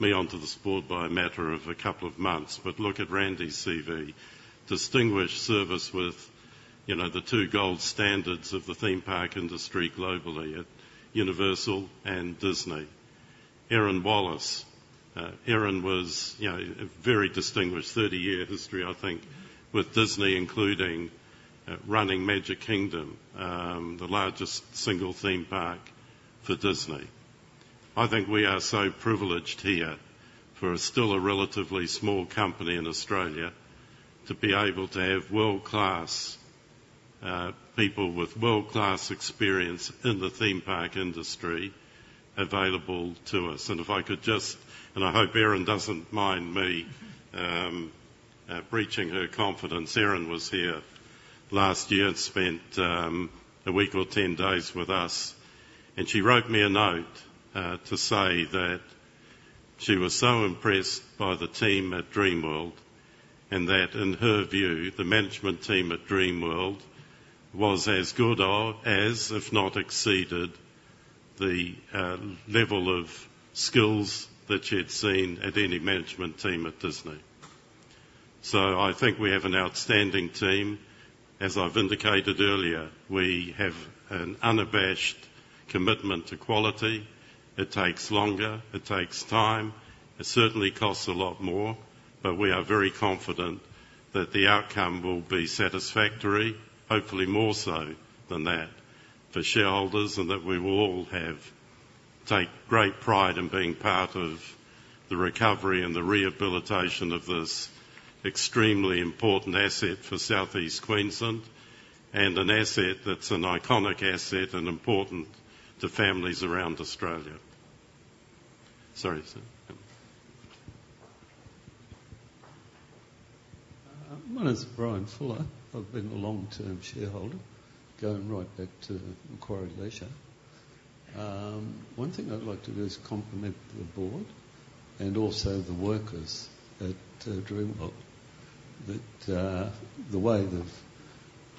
me onto this board by a matter of a couple of months. But look at Randy's CV. Distinguished service with the two gold standards of the theme park industry globally at Universal and Disney. Erin Wallace. Erin was very distinguished. 30-year history, I think, with Disney, including running Magic Kingdom, the largest single theme park for Disney. I think we are so privileged here for still a relatively small company in Australia to be able to have world-class people with world-class experience in the theme park industry available to us. And if I could just, and I hope Erin doesn't mind me breaching her confidence, Erin was here last year and spent a week or 10 days with us. She wrote me a note to say that she was so impressed by the team at Dreamworld and that, in her view, the management team at Dreamworld was as good or as, if not exceeded, the level of skills that she had seen at any management team at Disney. So I think we have an outstanding team. As I've indicated earlier, we have an unabashed commitment to quality. It takes longer. It takes time. It certainly costs a lot more. But we are very confident that the outcome will be satisfactory, hopefully more so than that, for shareholders and that we will all take great pride in being part of the recovery and the rehabilitation of this extremely important asset for Southeast Queensland and an asset that's an iconic asset and important to families around Australia. Sorry. My name's Brian Fuller. I've been a long-term shareholder, going right back to Macquarie Leisure. One thing I'd like to do is compliment the board and also the workers at Dreamworld, that the way they've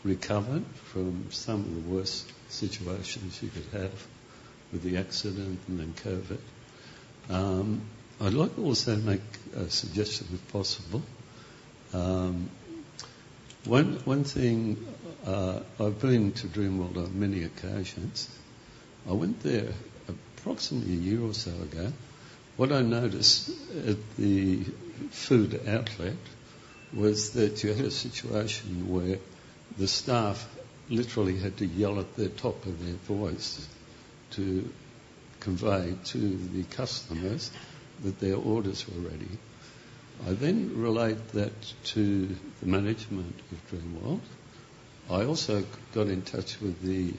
recovered from some of the worst situations you could have with the accident and then COVID. I'd like to also make a suggestion, if possible. One thing, I've been to Dreamworld on many occasions. I went there approximately a year or so ago. What I noticed at the food outlet was that you had a situation where the staff literally had to yell at the top of their voice to convey to the customers that their orders were ready. I then relayed that to the management of Dreamworld. I also got in touch with the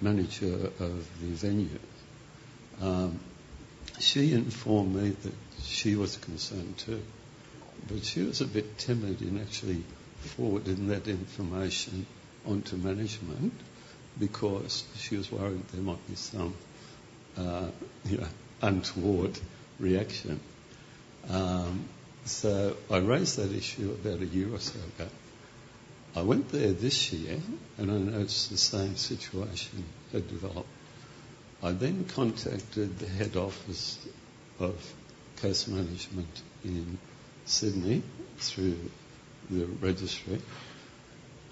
manager of the venue. She informed me that she was concerned too. But she was a bit timid in actually forwarding that information onto management because she was worried there might be some untoward reaction. So I raised that issue about a year or so ago. I went there this year, and I noticed the same situation had developed. I then contacted the head office of Coast management in Sydney through the registry.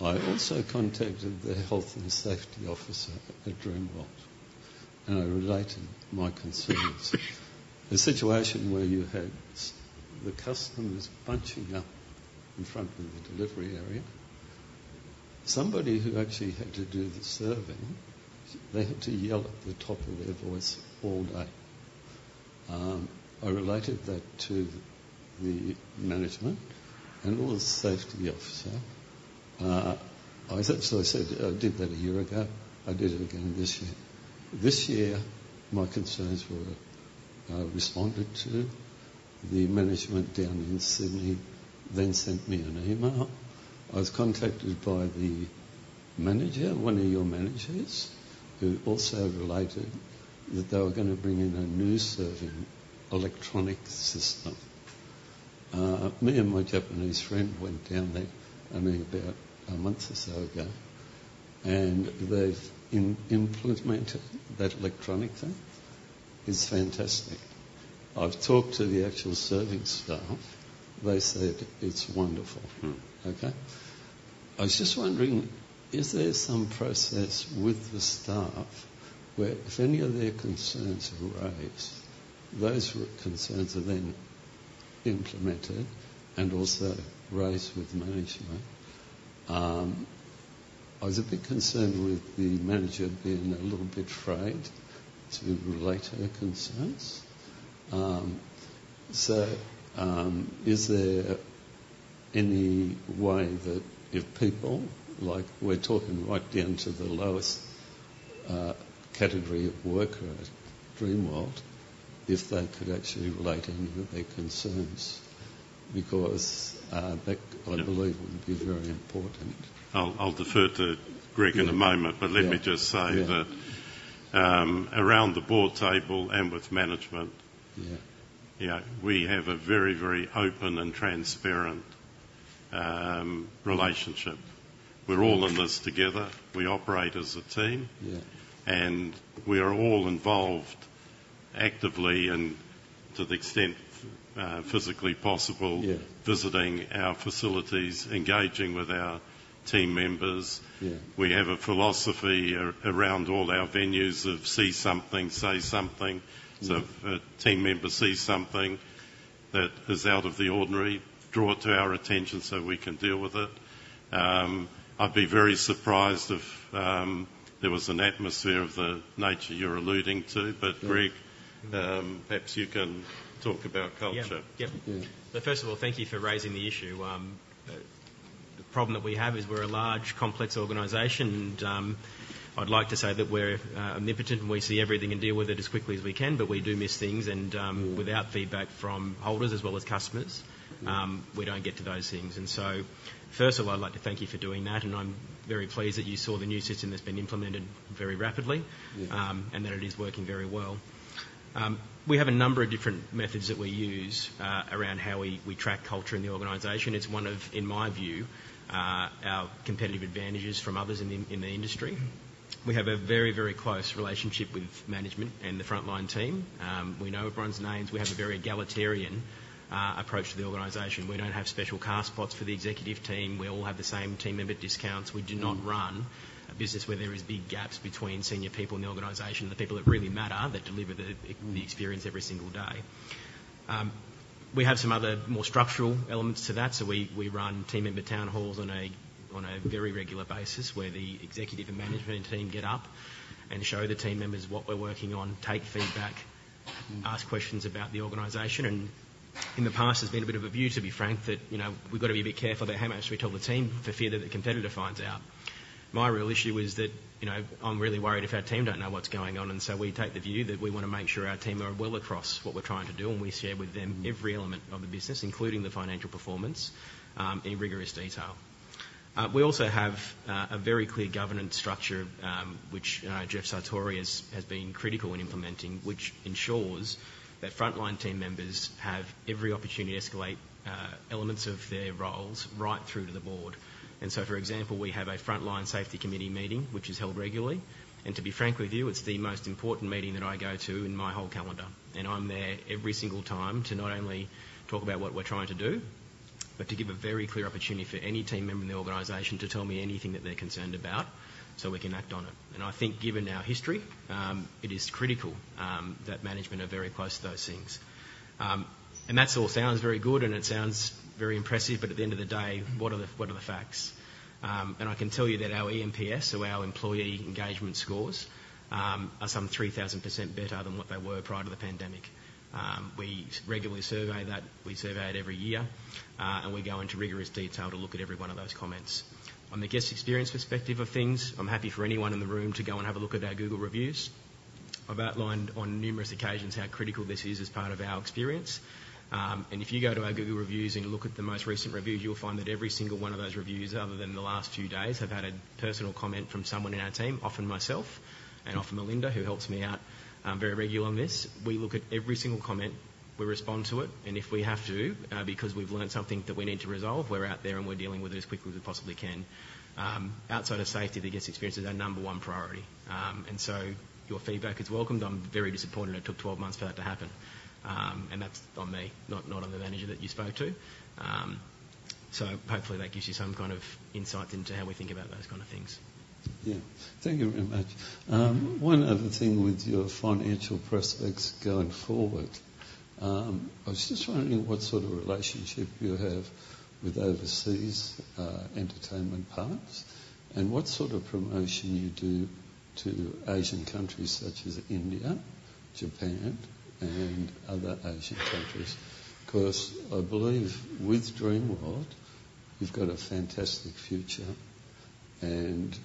I also contacted the health and safety officer at Dreamworld, and I related my concerns. A situation where you had the customers bunching up in front of the delivery area. Somebody who actually had to do the serving, they had to yell at the top of their voice all day. I related that to the management and also the safety officer. I said, "I did that a year ago. I did it again this year." This year, my concerns were responded to. The management down in Sydney then sent me an email. I was contacted by the manager, one of your managers, who also related that they were going to bring in a new serving electronic system. Me and my Japanese friend went down there only about a month or so ago, and they've implemented that electronic thing. It's fantastic. I've talked to the actual serving staff. They said, "It's wonderful." Okay? I was just wondering, is there some process with the staff where, if any of their concerns are raised, those concerns are then implemented and also raised with management? I was a bit concerned with the manager being a little bit afraid to relate her concerns. So is there any way that if people, like we're talking right down to the lowest category of worker at Dreamworld, if they could actually relate any of their concerns? Because that, I believe, would be very important. I'll defer to Greg in a moment. But let me just say that around the board table and with management, we have a very, very open and transparent relationship. We're all in this together. We operate as a team, and we are all involved actively and, to the extent physically possible, visiting our facilities, engaging with our team members. We have a philosophy around all our venues of see something, say something. So if a team member sees something that is out of the ordinary, draw it to our attention so we can deal with it. I'd be very surprised if there was an atmosphere of the nature you're alluding to. But Greg, perhaps you can talk about culture. Yeah. But first of all, thank you for raising the issue. The problem that we have is we're a large, complex organization. And I'd like to say that we're omnipotent and we see everything and deal with it as quickly as we can. But we do miss things. And without feedback from holders as well as customers, we don't get to those things. And so first of all, I'd like to thank you for doing that. And I'm very pleased that you saw the new system that's been implemented very rapidly and that it is working very well. We have a number of different methods that we use around how we track culture in the organization. It's one of, in my view, our competitive advantages from others in the industry. We have a very, very close relationship with management and the frontline team. We know everyone's names. We have a very egalitarian approach to the organization. We don't have special car spots for the executive team. We all have the same team member discounts. We do not run a business where there are big gaps between senior people in the organization and the people that really matter, that deliver the experience every single day. We have some other more structural elements to that, so we run team member town halls on a very regular basis where the executive and management team get up and show the team members what we're working on, take feedback, ask questions about the organization, and in the past, there's been a bit of a view, to be frank, that we've got to be a bit careful about how much we tell the team for fear that the competitor finds out. My real issue is that I'm really worried if our team don't know what's going on. And so we take the view that we want to make sure our team are well across what we're trying to do. And we share with them every element of the business, including the financial performance, in rigorous detail. We also have a very clear governance structure, which Jeff Sartori has been critical in implementing, which ensures that frontline team members have every opportunity to escalate elements of their roles right through to the board. And so, for example, we have a frontline safety committee meeting, which is held regularly. And to be frank with you, it's the most important meeting that I go to in my whole calendar. I'm there every single time to not only talk about what we're trying to do, but to give a very clear opportunity for any team member in the organization to tell me anything that they're concerned about so we can act on it. I think, given our history, it is critical that management are very close to those things. That all sounds very good, and it sounds very impressive. At the end of the day, what are the facts? I can tell you that our eNPS, or our employee engagement scores, are some 3,000% better than what they were prior to the pandemic. We regularly survey that. We survey it every year. We go into rigorous detail to look at every one of those comments. On the guest experience perspective of things, I'm happy for anyone in the room to go and have a look at our Google reviews. I've outlined on numerous occasions how critical this is as part of our experience, and if you go to our Google reviews and you look at the most recent reviews, you'll find that every single one of those reviews, other than the last few days, have had a personal comment from someone in our team, often myself and often Melinda, who helps me out very regularly on this. We look at every single comment. We respond to it, and if we have to, because we've learned something that we need to resolve, we're out there and we're dealing with it as quickly as we possibly can. Outside of safety, the guest experience is our number one priority, and so your feedback is welcomed. I'm very disappointed it took 12 months for that to happen. And that's on me, not on the manager that you spoke to. So hopefully, that gives you some kind of insight into how we think about those kind of things. Yeah. Thank you very much. One other thing with your financial prospects going forward. I was just wondering what sort of relationship you have with overseas entertainment parks and what sort of promotion you do to Asian countries such as India, Japan, and other Asian countries. Because I believe with Dreamworld, you've got a fantastic future. And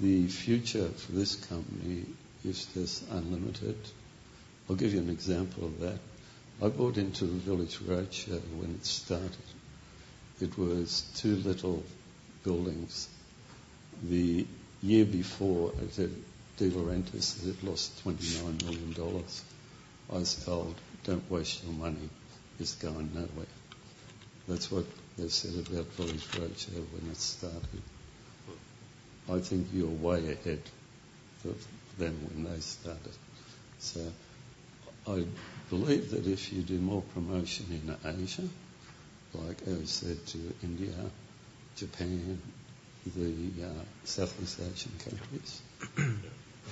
the future for this company is just unlimited. I'll give you an example of that. I bought into the Village Roadshow when it started. It was two little buildings. The year before, as a De Laurentiis had lost AUD 29 million. I was told, "Don't waste your money. It's going nowhere." That's what they said about Village Roadshow when it started. I think you're way ahead of them when they started. So I believe that if you do more promotion in Asia, like I said, to India, Japan, the Southeast Asian countries,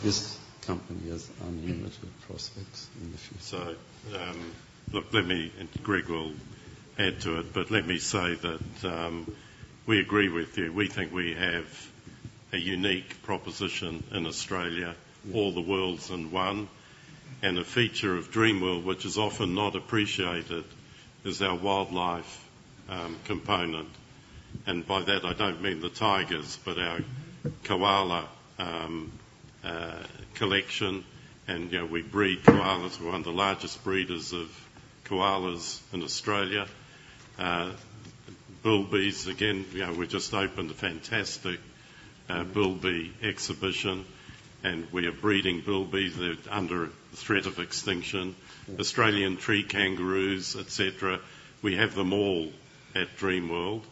this company has unlimited prospects in the future. So Greg will add to it. But let me say that we agree with you. We think we have a unique proposition in Australia, all the world's in one. A feature of Dreamworld, which is often not appreciated, is our wildlife component. By that, I don't mean the tigers, but our koala collection. We breed koalas. We're one of the largest breeders of koalas in Australia. Bilbies, again, we just opened a fantastic bilby exhibition. We are breeding bilbies. They're under threat of extinction. Australian tree kangaroos, etc. We have them all at Dreamworld.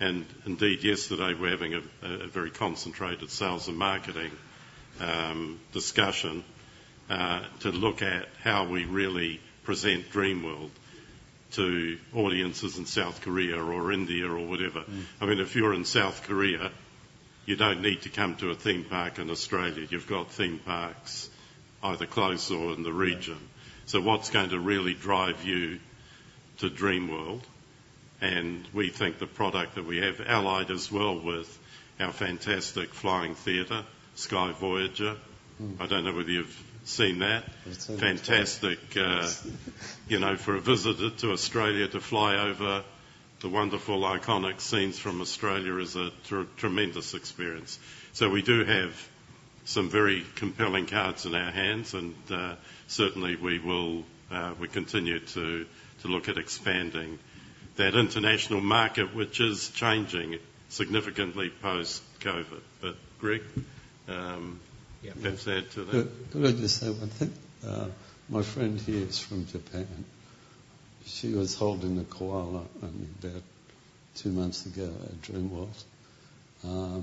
Indeed, yesterday, we're having a very concentrated sales and marketing discussion to look at how we really present Dreamworld to audiences in South Korea or India or whatever. I mean, if you're in South Korea, you don't need to come to a theme park in Australia. You've got theme parks either close or in the region. So what's going to really drive you to Dreamworld? And we think the product that we have allied as well with our fantastic flying theater, Sky Voyager. I don't know whether you've seen that. Fantastic. For a visitor to Australia to fly over the wonderful iconic scenes from Australia is a tremendous experience. So we do have some very compelling cards in our hands. And certainly, we continue to look at expanding that international market, which is changing significantly post-COVID. But Greg, perhaps add to that. Can I just say one thing? My friend here is from Japan. She was holding a koala about two months ago at Dreamworld.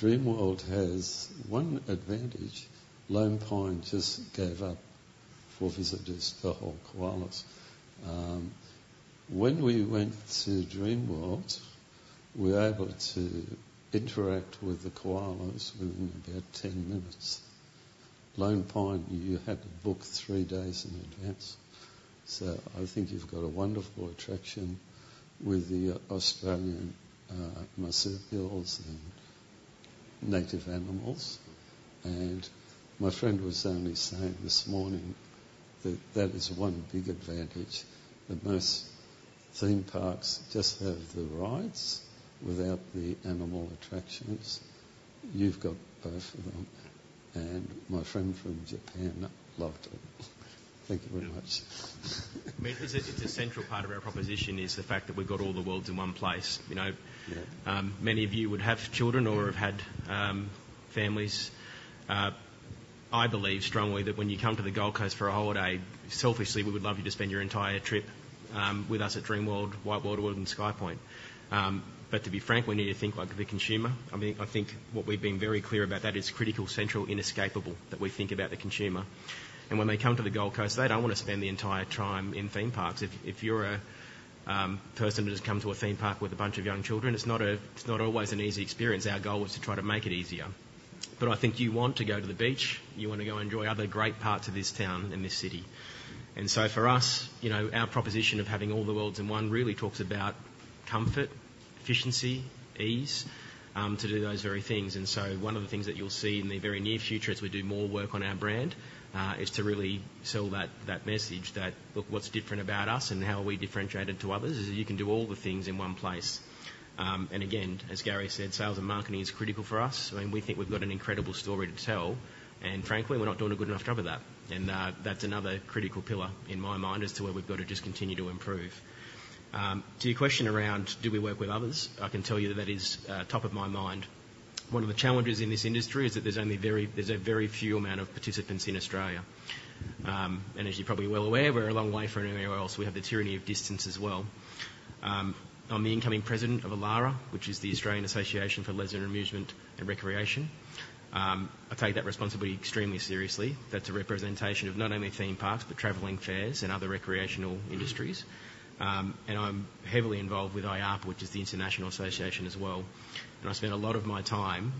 Dreamworld has one advantage. Lone Pine just gave up for visitors to hold koalas. When we went to Dreamworld, we were able to interact with the koalas within about 10 minutes. Lone Pine, you had to book three days in advance. So I think you've got a wonderful attraction with the Australian marsupials and native animals. And my friend was only saying this morning that that is one big advantage. The most theme parks just have the rides without the animal attractions. You've got both of them. And my friend from Japan loved it. Thank you very much. It's a central part of our proposition, is the fact that we've got all the world in one place. Many of you would have children or have had families. I believe strongly that when you come to the Gold Coast for a holiday, selfishly, we would love you to spend your entire trip with us at Dreamworld, WhiteWater World, and SkyPoint, but to be frank, we need to think like the consumer. I think what we've been very clear about that is critical, central, inescapable, that we think about the consumer and when they come to the Gold Coast, they don't want to spend the entire time in theme parks. If you're a person that has come to a theme park with a bunch of young children, it's not always an easy experience. Our goal is to try to make it easier, but I think you want to go to the beach. You want to go and enjoy other great parts of this town and this city. And so for us, our proposition of having all the world in one really talks about comfort, efficiency, ease to do those very things. And so one of the things that you'll see in the very near future as we do more work on our brand is to really sell that message that, "Look, what's different about us and how are we differentiated to others?" is you can do all the things in one place. And again, as Gary said, sales and marketing is critical for us. I mean, we think we've got an incredible story to tell. And frankly, we're not doing a good enough job of that. And that's another critical pillar in my mind as to where we've got to just continue to improve. To your question around, "Do we work with others?" I can tell you that that is top of my mind. One of the challenges in this industry is that there's a very few amount of participants in Australia. As you're probably well aware, we're a long way from anywhere else. We have the tyranny of distance as well. I'm the incoming president of AALARA, which is the Australian Association for Leisure, Amusement, and Recreation. I take that responsibility extremely seriously. That's a representation of not only theme parks, but traveling fairs and other recreational industries. I'm heavily involved with IAAPA, which is the International Association as well. I spent a lot of my time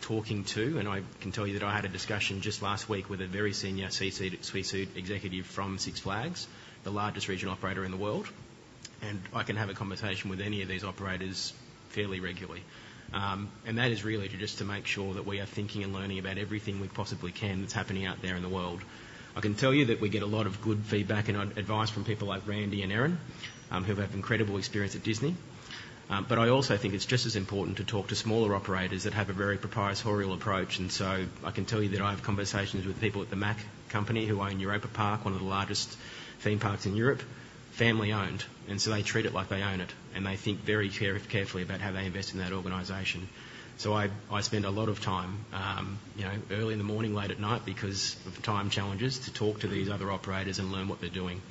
talking to, and I can tell you that I had a discussion just last week with a very senior C-suite executive from Six Flags, the largest regional operator in the world. I can have a conversation with any of these operators fairly regularly. That is really just to make sure that we are thinking and learning about everything we possibly can that's happening out there in the world. I can tell you that we get a lot of good feedback and advice from people like Randy and Erin, who have incredible experience at Disney. I also think it's just as important to talk to smaller operators that have a very proprietorial approach. I can tell you that I have conversations with people at the Mack Company, who own Europa Park, one of the largest theme parks in Europe, family-owned. They treat it like they own it. They think very carefully about how they invest in that organization. I spend a lot of time early in the morning, late at night, because of time challenges, to talk to these other operators and learn what they're doing.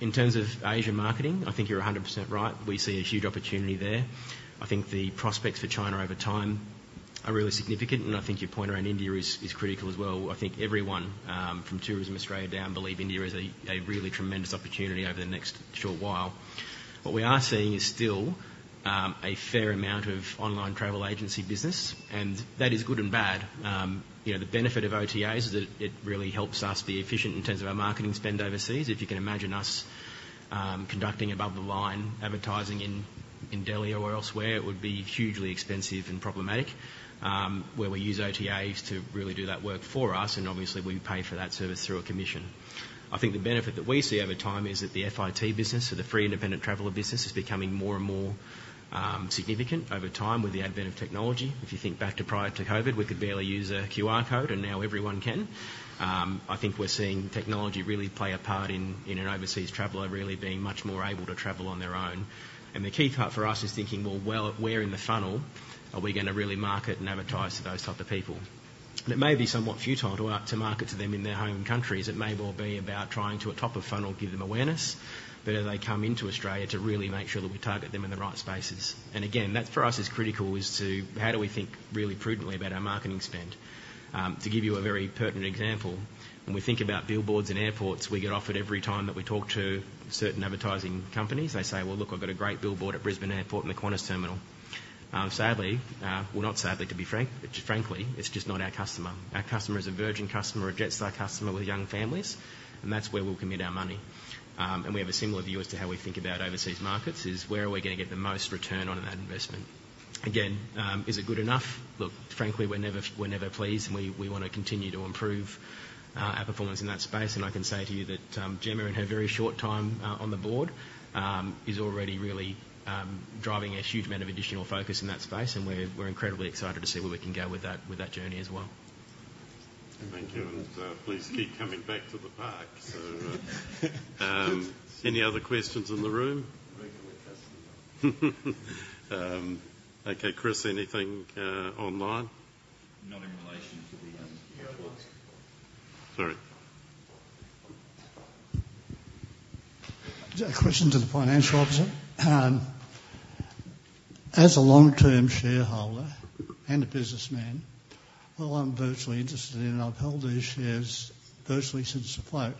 In terms of Asia marketing, I think you're 100% right. We see a huge opportunity there. I think the prospects for China over time are really significant. And I think your point around India is critical as well. I think everyone from Tourism Australia down believe India is a really tremendous opportunity over the next short while. What we are seeing is still a fair amount of online travel agency business. And that is good and bad. The benefit of OTAs is that it really helps us be efficient in terms of our marketing spend overseas. If you can imagine us conducting above-the-line advertising in Delhi or elsewhere, it would be hugely expensive and problematic where we use OTAs to really do that work for us. And obviously, we pay for that service through a commission. I think the benefit that we see over time is that the FIT business, so the free independent traveler business, is becoming more and more significant over time with the advent of technology. If you think back to prior to COVID, we could barely use a QR code. And now everyone can. I think we're seeing technology really play a part in an overseas traveler really being much more able to travel on their own. And the key part for us is thinking, "Well, where in the funnel are we going to really market and advertise to those types of people?" And it may be somewhat futile to market to them in their home countries. It may well be about trying to, atop a funnel, give them awareness. But as they come into Australia, to really make sure that we target them in the right spaces. And again, that for us is critical as to how do we think really prudently about our marketing spend. To give you a very pertinent example, when we think about billboards and airports, we get offered every time that we talk to certain advertising companies, they say, "Well, look, I've got a great billboard at Brisbane Airport in the Qantas terminal." Sadly, well, not sadly, to be frank, frankly, it's just not our customer. Our customer is a Virgin customer, a Jetstar customer with young families. And that's where we'll commit our money. And we have a similar view as to how we think about overseas markets is, "Where are we going to get the most return on that investment?" Again, is it good enough? Look, frankly, we're never pleased. And we want to continue to improve our performance in that space. I can say to you that Jemma in her very short time on the board is already really driving a huge amount of additional focus in that space. We're incredibly excited to see where we can go with that journey as well. Thank you. Please keep coming back to the park. Any other questions in the room? Regular customer. Okay. Chris, anything online? Not in relation to the auditors. Sorry. Question to the financial officer. As a long-term shareholder and a businessman, while I'm very interested in, I've held these shares very since the float.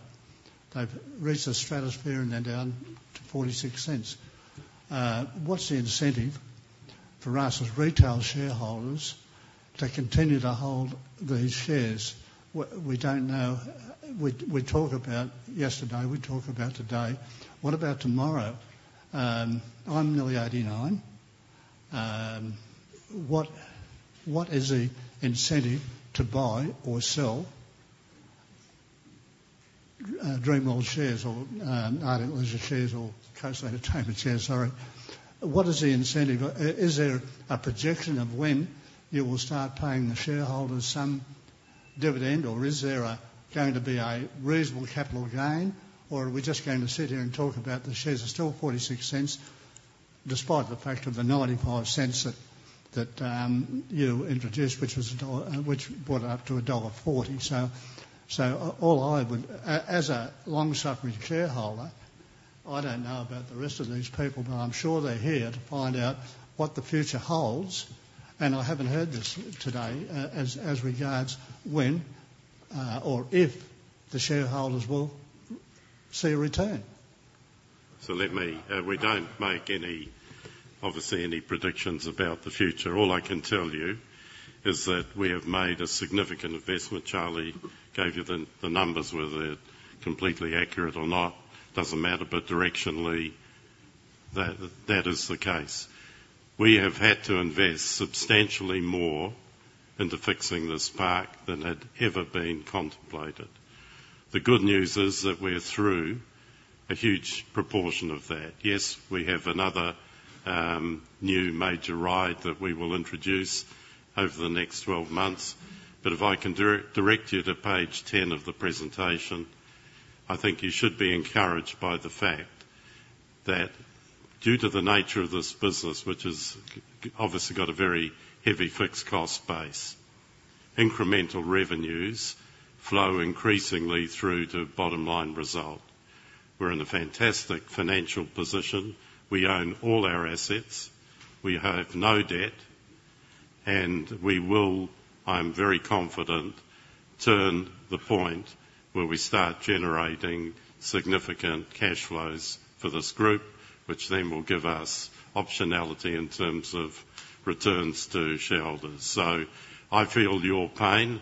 They've reached a stratosphere and they're down to 0.46. What's the incentive for us as retail shareholders to continue to hold these shares? We talk about yesterday. We talk about today. What about tomorrow? I'm nearly 89. What is the incentive to buy or sell Dreamworld shares or Ardent Leisure shares or Coast Entertainment shares? Sorry. What is the incentive? Is there a projection of when you will start paying the shareholders some dividend? Or is there going to be a reasonable capital gain? Or are we just going to sit here and talk about the shares are still 0.46 despite the fact of the 0.95 that you introduced, which brought it up to dollar 1.40? As a long-suffering shareholder, I don't know about the rest of these people, but I'm sure they're here to find out what the future holds. I haven't heard this today as regards when or if the shareholders will see a return. We don't make, obviously, any predictions about the future. All I can tell you is that we have made a significant investment. Charlie gave you the numbers. Whether they're completely accurate or not doesn't matter. But directionally, that is the case. We have had to invest substantially more into fixing this park than had ever been contemplated. The good news is that we're through a huge proportion of that. Yes, we have another new major ride that we will introduce over the next 12 months. But if I can direct you to page 10 of the presentation, I think you should be encouraged by the fact that due to the nature of this business, which has obviously got a very heavy fixed cost base, incremental revenues flow increasingly through to bottom-line result. We're in a fantastic financial position. We own all our assets. We have no debt. And we will. I'm very confident we will reach the point where we start generating significant cash flows for this group, which then will give us optionality in terms of returns to shareholders. So I feel your pain.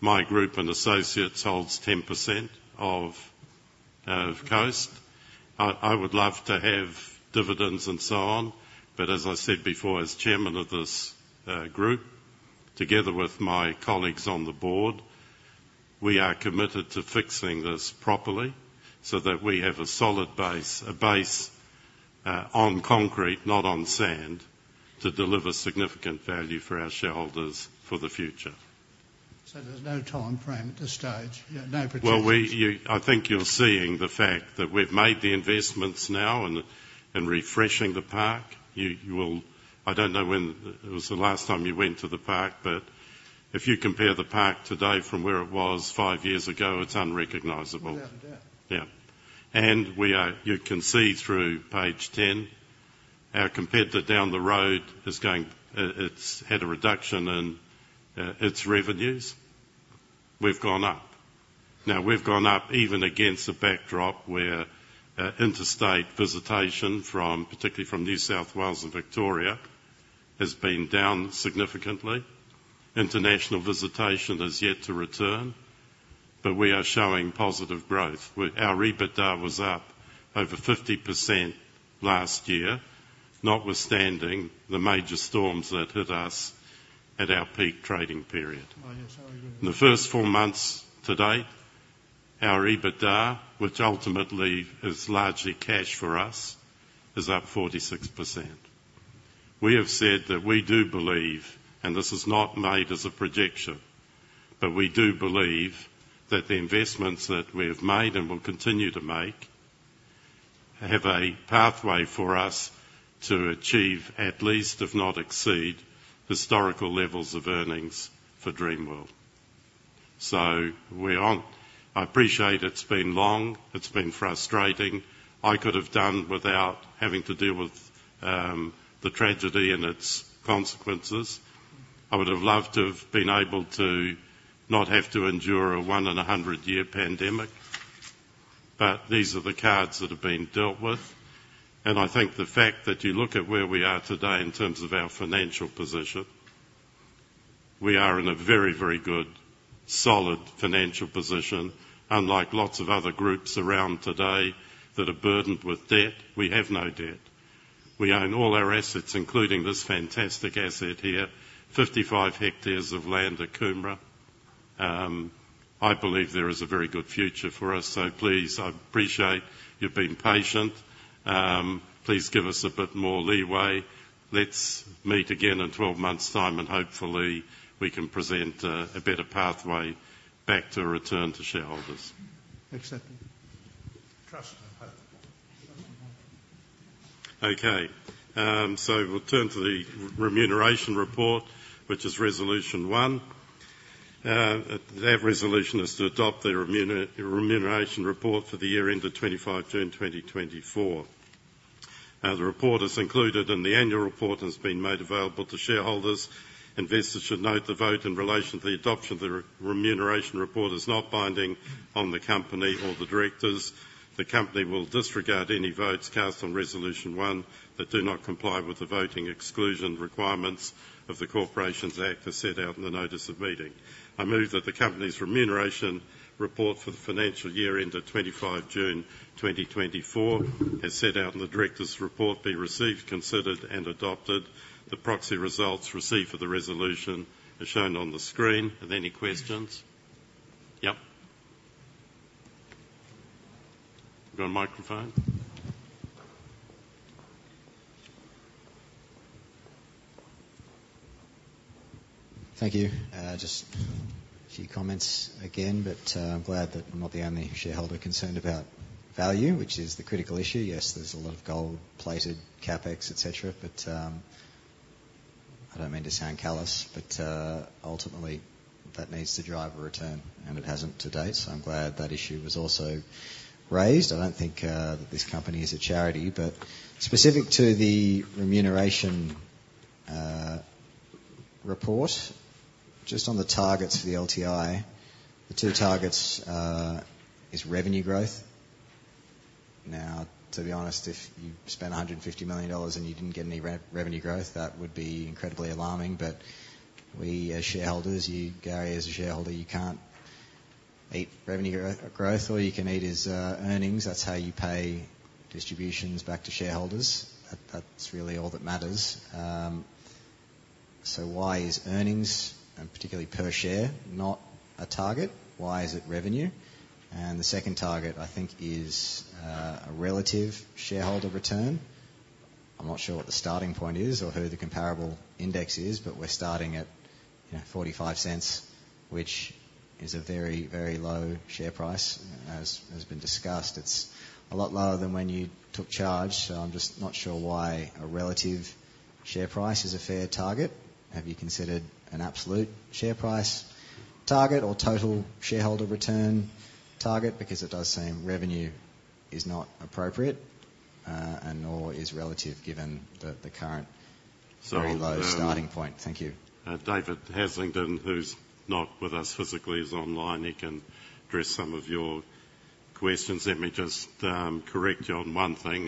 My group and associates holds 10% of Coast. I would love to have dividends and so on. But as I said before, as Chairman of this group, together with my colleagues on the board, we are committed to fixing this properly so that we have a solid base, a base on concrete, not on sand, to deliver significant value for our shareholders for the future. So there's no time frame at this stage. No prediction. Well, I think you're seeing the fact that we've made the investments now in refreshing the park. I don't know when it was the last time you went to the park. But if you compare the park today from where it was five years ago, it's unrecognizable. Yeah. And you can see through page 10, our competitor down the road has had a reduction in its revenues. We've gone up. Now, we've gone up even against a backdrop where interstate visitation, particularly from New South Wales and Victoria, has been down significantly. International visitation has yet to return. But we are showing positive growth. Our EBITDA was up over 50% last year, notwithstanding the major storms that hit us at our peak trading period. In the first four months to date, our EBITDA, which ultimately is largely cash for us, is up 46%. We have said that we do believe, and this is not made as a projection, but we do believe that the investments that we have made and will continue to make have a pathway for us to achieve, at least, if not exceed, historical levels of earnings for Dreamworld. So we're on. I appreciate it's been long. It's been frustrating. I could have done without having to deal with the tragedy and its consequences. I would have loved to have been able to not have to endure a one-in-a-hundred-year pandemic. But these are the cards that have been dealt with. And I think the fact that you look at where we are today in terms of our financial position, we are in a very, very good, solid financial position. Unlike lots of other groups around today that are burdened with debt, we have no debt. We own all our assets, including this fantastic asset here, 55 hectares of land at Coomera. I believe there is a very good future for us. So please, I appreciate you've been patient. Please give us a bit more leeway. Let's meet again in 12 months' time. And hopefully, we can present a better pathway back to a return to shareholders. Accepted. Trust and hope. Okay. So we'll turn to the remuneration report, which is resolution one. That resolution is to adopt the remuneration report for the year end of 25 June 2024. The report is included in the annual report and has been made available to shareholders. Investors should note the vote in relation to the adoption of the remuneration report is not binding on the company or the directors. The company will disregard any votes cast on resolution one that do not comply with the voting exclusion requirements of the Corporations Act as set out in the notice of meeting. I move that the company's remuneration report for the financial year end of 25 June 2024, as set out in the director's report, be received, considered, and adopted. The proxy results received for the resolution are shown on the screen. Are there any questions? Yep. We've got a microphone. Thank you. Just a few comments again. But I'm glad that I'm not the only shareholder concerned about value, which is the critical issue. Yes, there's a lot of gold-plated CapEx, etc. But I don't mean to sound callous. But ultimately, that needs to drive a return. And it hasn't to date. So I'm glad that issue was also raised. I don't think that this company is a charity. But specific to the remuneration report, just on the targets for the LTI, the two targets are revenue growth. Now, to be honest, if you spend 150 million dollars and you didn't get any revenue growth, that would be incredibly alarming. But as shareholders, Gary, as a shareholder, you can't eat revenue growth. All you can eat is earnings. That's how you pay distributions back to shareholders. That's really all that matters. So why is earnings, and particularly per share, not a target? Why is it revenue? And the second target, I think, is a relative shareholder return. I'm not sure what the starting point is or who the comparable index is. But we're starting at 0.45, which is a very, very low share price. As has been discussed, it's a lot lower than when you took charge. So I'm just not sure why a relative share price is a fair target. Have you considered an absolute share price target or total shareholder return target? Because it does seem revenue is not appropriate and nor is relative given the current very low starting point. Thank you. David Haslingden, who's not with us physically, is online. He can address some of your questions. Let me just correct you on one thing.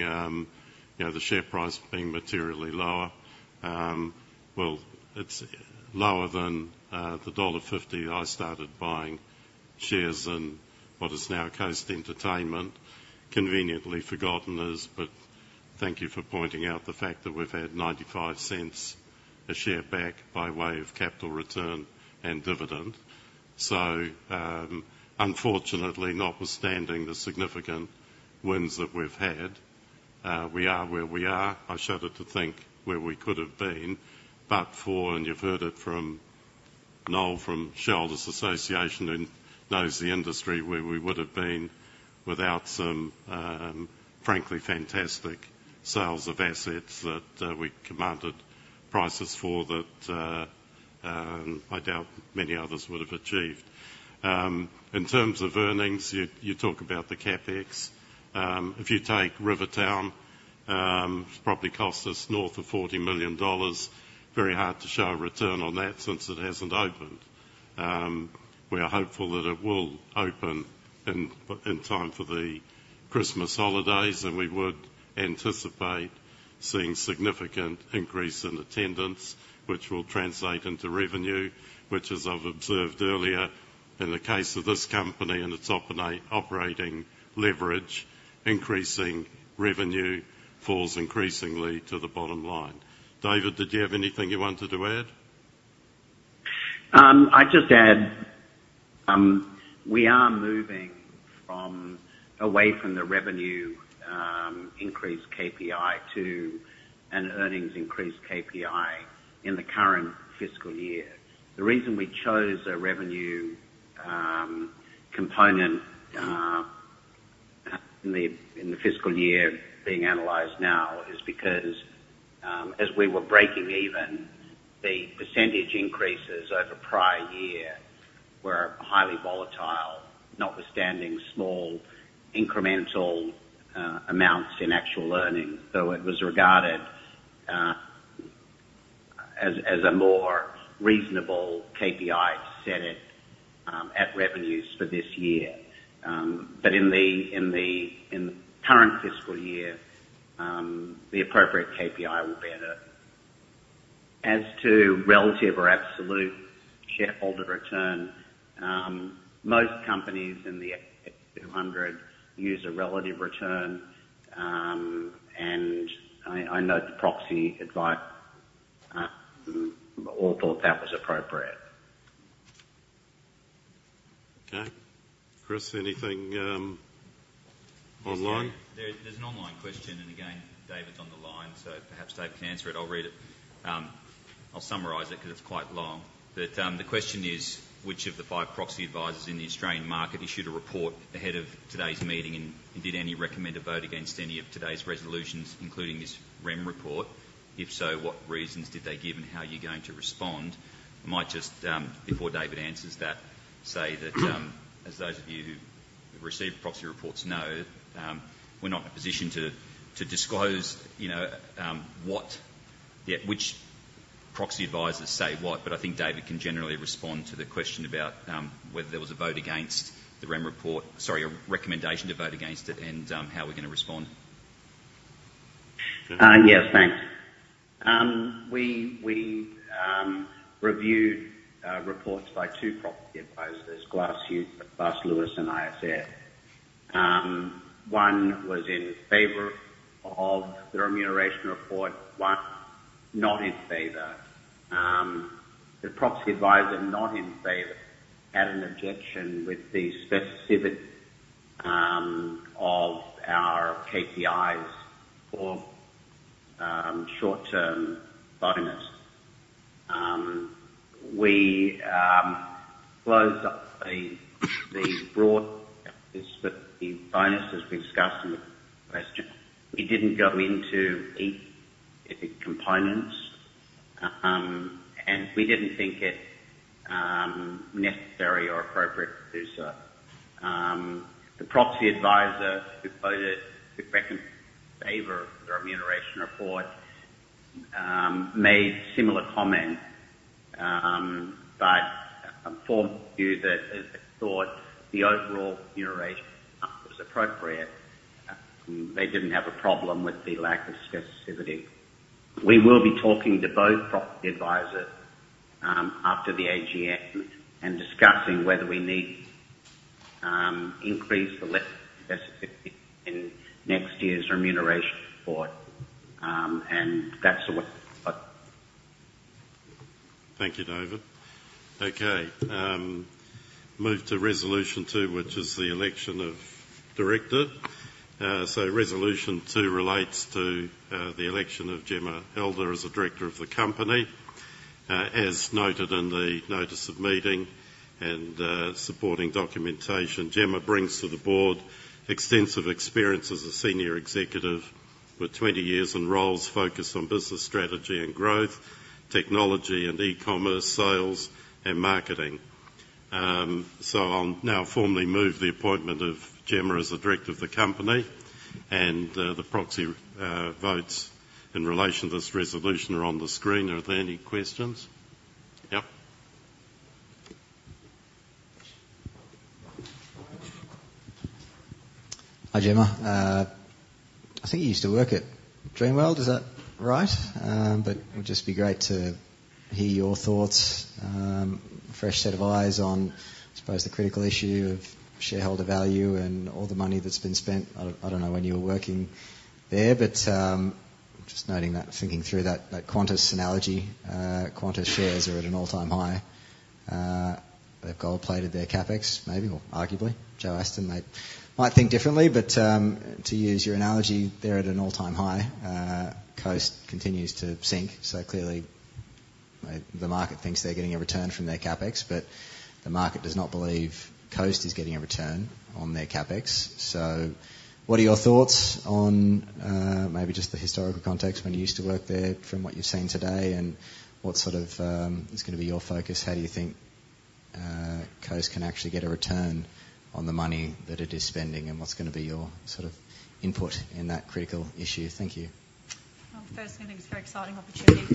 The share price being materially lower. Well, it's lower than the dollar 1.50 I started buying shares in what is now Coast Entertainment. Conveniently forgotten is. But thank you for pointing out the fact that we've had 0.95 a share back by way of capital return and dividend. So unfortunately, notwithstanding the significant wins that we've had, we are where we are. I shudder to think where we could have been. But for, and you've heard it from Niall from the Australian Shareholders' Association, who knows the industry, where we would have been without some frankly fantastic sales of assets that we commanded prices for that I doubt many others would have achieved. In terms of earnings, you talk about the CapEx. If you take Rivertown, it's probably cost us north of 40 million dollars. Very hard to show a return on that since it hasn't opened. We are hopeful that it will open in time for the Christmas holidays. We would anticipate seeing a significant increase in attendance, which will translate into revenue, which, as I've observed earlier, in the case of this company and its operating leverage, increasing revenue falls increasingly to the bottom line. David, did you have anything you wanted to add? I'd just add we are moving away from the revenue increase KPI to an earnings increase KPI in the current fiscal year. The reason we chose a revenue component in the fiscal year being analyzed now is because as we were breaking even, the percentage increases over prior year were highly volatile, notwithstanding small incremental amounts in actual earnings. So it was regarded as a more reasonable KPI to set it at revenues for this year. But in the current fiscal year, the appropriate KPI will be at a. As to relative or absolute shareholder return, most companies in the ASX 200 use a relative return. And I know the proxy advice all thought that was appropriate. Okay. Chris, anything online? There's an online question. And again, David's on the line. So perhaps David can answer it. I'll read it. I'll summarise it because it's quite long. But the question is, which of the five proxy advisors in the Australian market issued a report ahead of today's meeting and did any recommend a vote against any of today's resolutions, including this REM report? If so, what reasons did they give and how are you going to respond? I might just, before David answers that, say that as those of you who have received proxy reports know, we're not in a position to disclose which proxy advisors say what. But I think David can generally respond to the question about whether there was a vote against the REM report, sorry, a recommendation to vote against it, and how we're going to respond. Yes. Thanks. We reviewed reports by two proxy advisors, Glass Lewis and ISS. One was in favor of the remuneration report, one not in favor. The proxy advisor not in favour had an objection with the specificity of our KPIs for short-term bonus. We closed up the broad bonus, as we discussed in the question. We didn't go into each of the components, and we didn't think it necessary or appropriate to do so. The proxy advisor who voted in favour of the remuneration report made similar comments, but for those that thought the overall remuneration was appropriate, they didn't have a problem with the lack of specificity. We will be talking to both proxy advisors after the AGM and discussing whether we need to increase the level of specificity in next year's remuneration report, and that's what. Thank you, David. Okay. Move to resolution two, which is the election of director. Resolution two relates to the election of Jemma Elder as a director of the company, as noted in the notice of meeting and supporting documentation. Jemma brings to the board extensive experience as a senior executive with 20 years in roles focused on business strategy and growth, technology, and e-commerce, sales, and marketing. I'll now formally move the appointment of Jemma as a director of the company. The proxy votes in relation to this resolution are on the screen. Are there any questions? Yep. Hi, Jemma. I think you used to work at Dreamworld. Is that right? But it would just be great to hear your thoughts, fresh set of eyes on, I suppose, the critical issue of shareholder value and all the money that's been spent. I don't know when you were working there. But just noting that, thinking through that Qantas analogy, Qantas shares are at an all-time high. They've gold-plated their CapEx, maybe, or arguably. Joe Aston might think differently, but to use your analogy, they're at an all-time high. Coast continues to sink, so clearly, the market thinks they're getting a return from their CapEx, but the market does not believe Coast is getting a return on their CapEx, so what are your thoughts on maybe just the historical context when you used to work there from what you've seen today? And what sort of is going to be your focus? How do you think Coast can actually get a return on the money that it is spending? And what's going to be your sort of input in that critical issue? Thank you. Firstly, I think it's a very exciting opportunity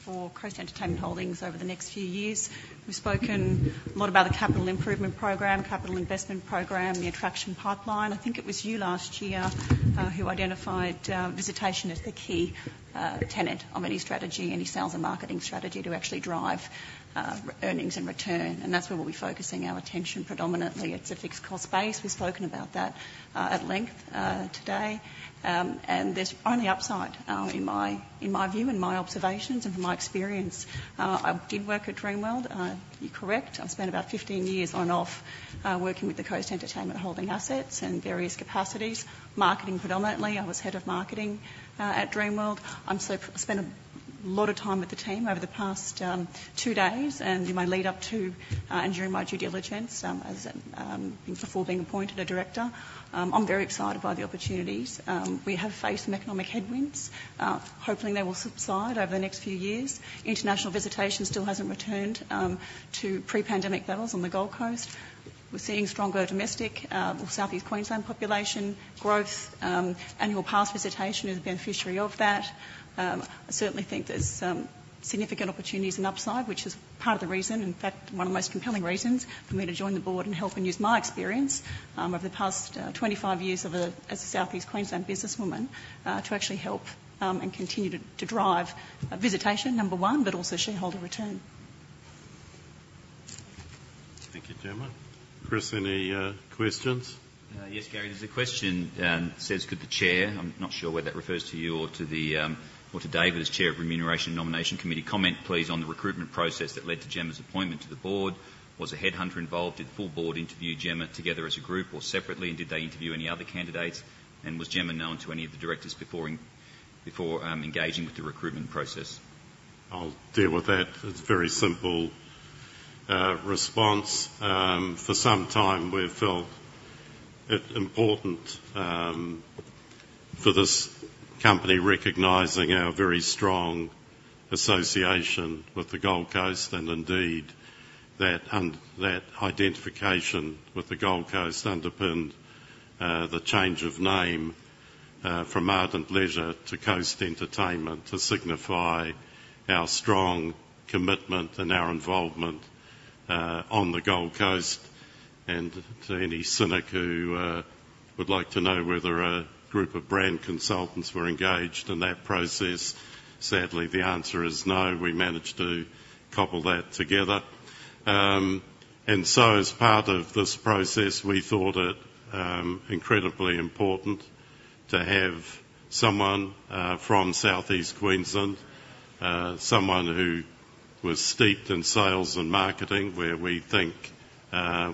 for Coast Entertainment Holdings over the next few years. We've spoken a lot about the capital improvement program, capital investment program, the attraction pipeline. I think it was you last year who identified visitation as the key tenet of any strategy, any sales and marketing strategy to actually drive earnings and return, and that's where we'll be focusing our attention predominantly. It's a fixed-cost base. We've spoken about that at length today, and there's only upside, in my view, in my observations and from my experience. I did work at Dreamworld. You're correct. I've spent about 15 years on and off working with the Coast Entertainment Holdings assets in various capacities, marketing predominantly. I was head of marketing at Dreamworld. I've spent a lot of time with the team over the past two days, and in my lead-up to and during my due diligence before being appointed a director, I'm very excited by the opportunities. We have faced some economic headwinds. Hopefully, they will subside over the next few years. International visitation still hasn't returned to pre-pandemic levels on the Gold Coast. We're seeing stronger domestic or Southeast Queensland population growth. Annual pass visitation is a beneficiary of that. I certainly think there's significant opportunities and upside, which is part of the reason, in fact, one of the most compelling reasons for me to join the board and help and use my experience over the past 25 years as a Southeast Queensland businesswoman to actually help and continue to drive visitation, number one, but also shareholder return. Thank you, Jemma. Chris, any questions? Yes, Gary. There's a question. It says, "Could the chair, I'm not sure whether that refers to you or to David as chair of remuneration nomination committee, comment, please, on the recruitment process that led to Jemma's appointment to the board? Was a headhunter involved? Did the full board interview Jemma together as a group or separately? And did they interview any other candidates? And was Jemma known to any of the directors before engaging with the recruitment process? I'll deal with that. It's a very simple response. For some time, we've felt it important for this company recognising our very strong association with the Gold Coast. Indeed, that identification with the Gold Coast underpinned the change of name from Ardent Leisure to Coast Entertainment to signify our strong commitment and our involvement on the Gold Coast. To any cynic who would like to know whether a group of brand consultants were engaged in that process, sadly, the answer is no. We managed to cobble that together. And so, as part of this process, we thought it incredibly important to have someone from Southeast Queensland, someone who was steeped in sales and marketing, where we think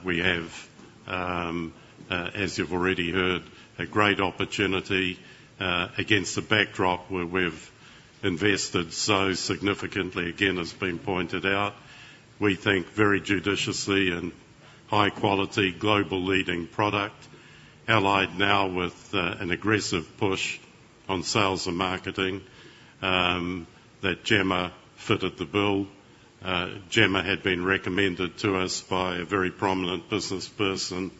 we have, as you've already heard, a great opportunity against the backdrop where we've invested so significantly, again, as has been pointed out. We think very judiciously and high-quality global-leading product, allied now with an aggressive push on sales and marketing that Jemma fit the bill. Jemma had been recommended to us by a very prominent businessperson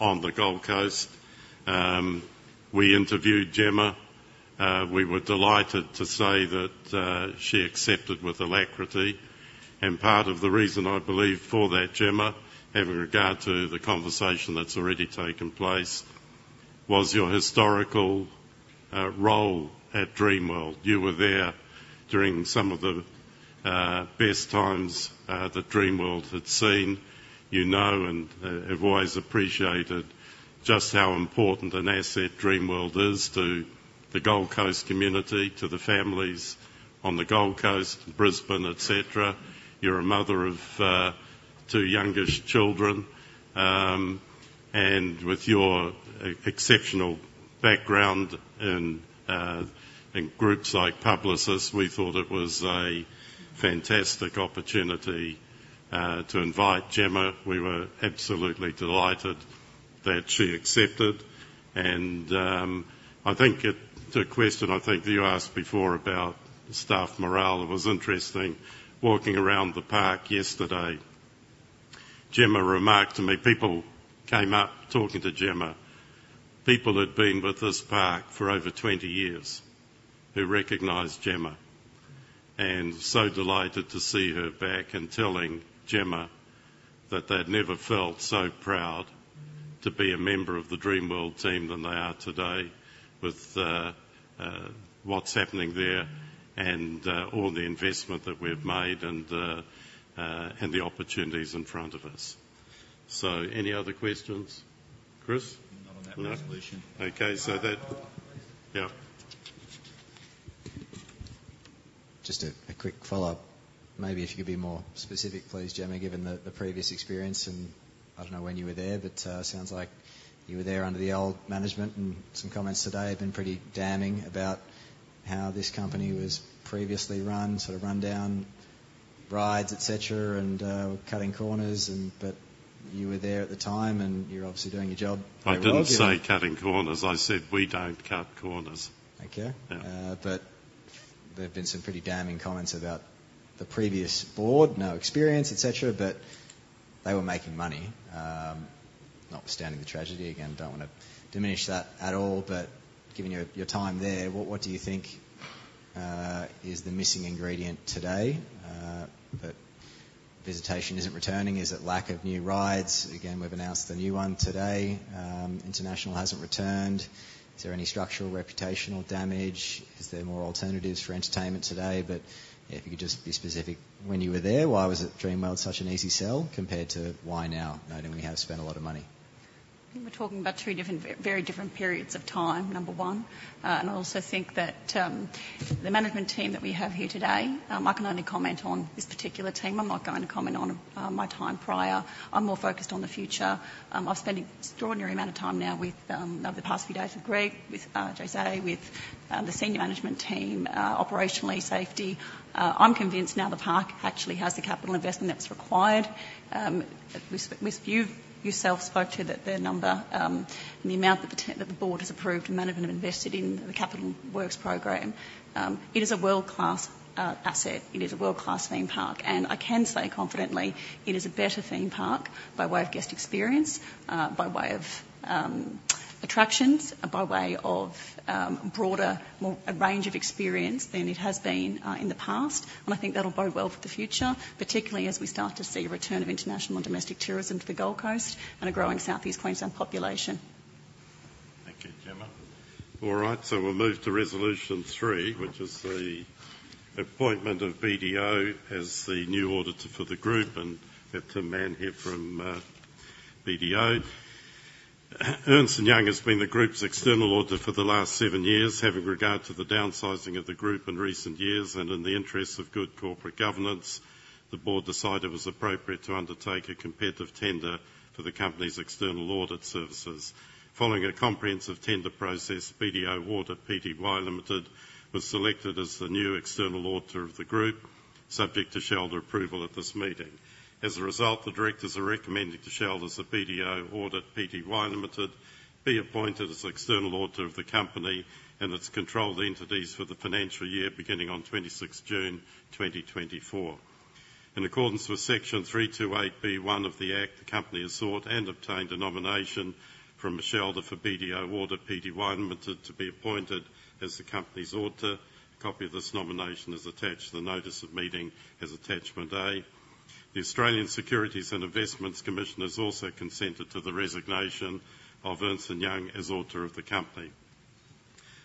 on the Gold Coast. We interviewed Jemma. We were delighted to say that she accepted with alacrity. And part of the reason, I believe, for that, Jemma, having regard to the conversation that's already taken place, was your historical role at Dreamworld. You were there during some of the best times that Dreamworld had seen. You know and have always appreciated just how important an asset Dreamworld is to the Gold Coast community, to the families on the Gold Coast, Brisbane, etc. You are a mother of two youngest children, and with your exceptional background in groups like Publicis, we thought it was a fantastic opportunity to invite Jemma. We were absolutely delighted that she accepted, and I think to a question I think that you asked before about staff morale, it was interesting. Walking around the park yesterday, Jemma remarked to me, people came up talking to Jemma, people who'd been with this park for over 20 years who recognized Jemma and so delighted to see her back and telling Jemma that they'd never felt so proud to be a member of the Dreamworld team than they are today with what's happening there and all the investment that we've made and the opportunities in front of us. So any other questions? Chris? Not on that resolution. No. Okay. So that. Yeah. Just a quick follow-up. Maybe if you could be more specific, please, Jemma, given the previous experience. And I don't know when you were there, but it sounds like you were there under the old management. And some comments today have been pretty damning about how this company was previously run, sort of rundown, rides, etc., and cutting corners. But you were there at the time, and you're obviously doing your job. I didn't say cutting corners. I said we don't cut corners. Okay. But there have been some pretty damning comments about the previous board, no experience, etc., but they were making money. Notwithstanding the tragedy, again, don't want to diminish that at all. But given your time there, what do you think is the missing ingredient today? That visitation isn't returning? Is it lack of new rides? Again, we've announced a new one today. International hasn't returned. Is there any structural reputational damage? Is there more alternatives for entertainment today? But if you could just be specific, when you were there, why was Dreamworld such an easy sell compared to why now, noting we have spent a lot of money? I think we're talking about two very different periods of time, number one. And I also think that the management team that we have here today, I can only comment on this particular team. I'm not going to comment on my time prior. I'm more focused on the future. I've spent an extraordinary amount of time now with, over the past few days, with Greg, with José, with the senior management team, operationally, safety. I'm convinced now the park actually has the capital investment that's required. You yourself spoke to the number and the amount that the board has approved and management have invested in the Capital Works program. It is a world-class asset. It is a world-class theme park, and I can say confidently it is a better theme park by way of guest experience, by way of attractions, by way of a broader, more range of experience than it has been in the past, and I think that'll bode well for the future, particularly as we start to see a return of international and domestic tourism to the Gold Coast and a growing Southeast Queensland population. Thank you, Jemma. All right, so we'll move to resolution three, which is the appointment of BDO as the new auditor for the group. And we have two men here from BDO. Ernst & Young has been the group's external auditor for the last seven years, having regard to the downsizing of the group in recent years. In the interest of good corporate governance, the board decided it was appropriate to undertake a competitive tender for the company's external audit services. Following a comprehensive tender process, BDO Audit Pty Ltd was selected as the new external auditor of the group, subject to shareholder approval at this meeting. As a result, the directors are recommending to shareholders that BDO Audit Pty Ltd be appointed as external auditor of the company and its controlled entities for the financial year beginning on 1 July 2024. In accordance with section 328B(1) of the Act, the company has sought and obtained a nomination from a shareholder for BDO Audit Pty Ltd to be appointed as the company's auditor. A copy of this nomination is attached to the notice of meeting as attachment A. The Australian Securities and Investments Commission has also consented to the resignation of Ernst & Young as auditor of the company.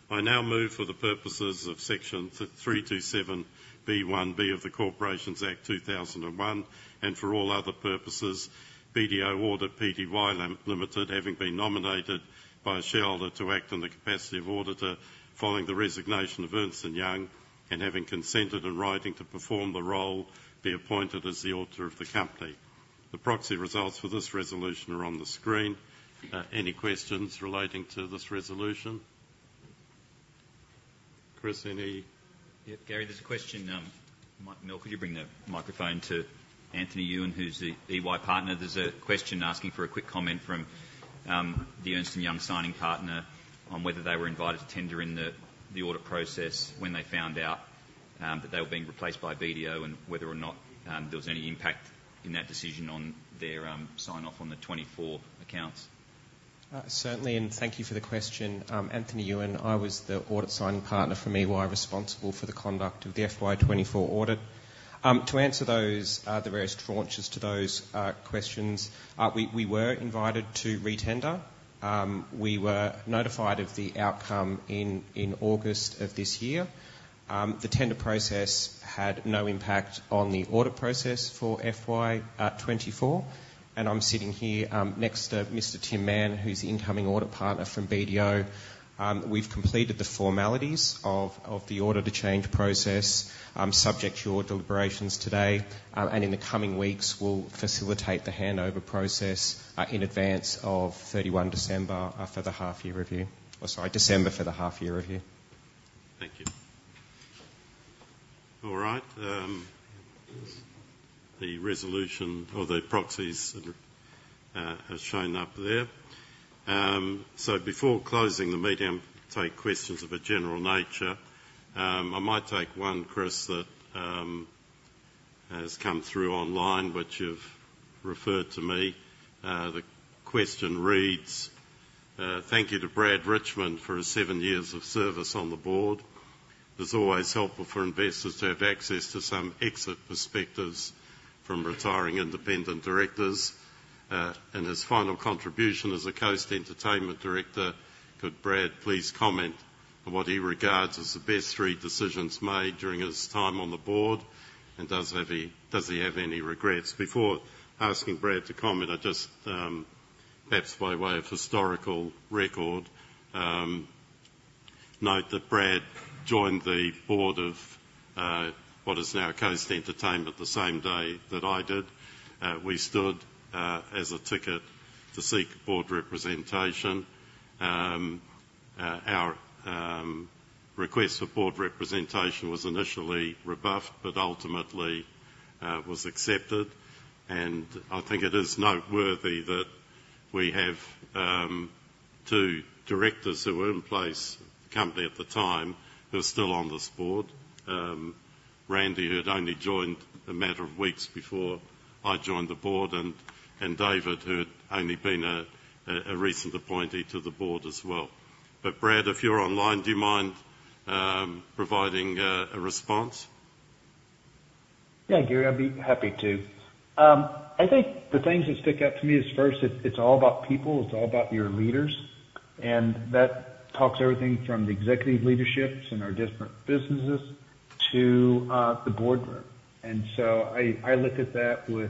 I now move, for the purposes of section 327B(1)(b) of the Corporations Act 2001 and for all other purposes, BDO Audit Pty Ltd having been nominated by a shareholder to act in the capacity of auditor following the resignation of Ernst & Young and having consented in writing to perform the role, be appointed as the auditor of the company. The proxy results for this resolution are on the screen. Any questions relating to this resolution? Chris, any? Yeah, Gary, there's a question. Might be normal if you bring the microphone to Anthony Yuan, who's the EY partner. There's a question asking for a quick comment from the Ernst & Young signing partner on whether they were invited to tender in the audit process when they found out that they were being replaced by BDO and whether or not there was any impact in that decision on their sign-off on the '24 accounts. Certainly, and thank you for the question. Anthony Yuan, I was the audit signing partner from EY responsible for the conduct of the FY '24 audit. To answer those, the various tranches to those questions, we were invited to re-tender. We were notified of the outcome in August of this year. The tender process had no impact on the audit process for FY '24. And I'm sitting here next to Mr. Tim Aman, who's the incoming audit partner from BDO. We've completed the formalities of the auditor change process, subject to your deliberations today. And in the coming weeks, we'll facilitate the handover process in advance of 31 December for the half-year review or sorry, December for the half-year review. Thank you. All right. The resolution or the proxies have shown up there. So before closing the meeting, I'll take questions of a general nature. I might take one, Chris, that has come through online, which you've referred to me. The question reads, "Thank you to Brad Richmond for his seven years of service on the board. It's always helpful for investors to have access to some exit perspectives from retiring independent directors. In his final contribution as a Coast Entertainment director, could Brad please comment on what he regards as the best three decisions made during his time on the board? And does he have any regrets?" Before asking Brad to comment, I just, perhaps by way of historical record, note that Brad joined the board of what is now Coast Entertainment the same day that I did. We stood as a ticket to seek board representation. Our request for board representation was initially rebuffed, but ultimately was accepted. I think it is noteworthy that we have two directors who were in place at the company at the time who are still on this board. Randy, who had only joined a matter of weeks before I joined the board, and David, who had only been a recent appointee to the board as well. But Brad, if you're online, do you mind providing a response? Yeah, Gary, I'd be happy to. I think the things that stick out to me is, first, it's all about people. It's all about your leaders. That talks everything from the executive leaderships in our different businesses to the boardroom. So I look at that with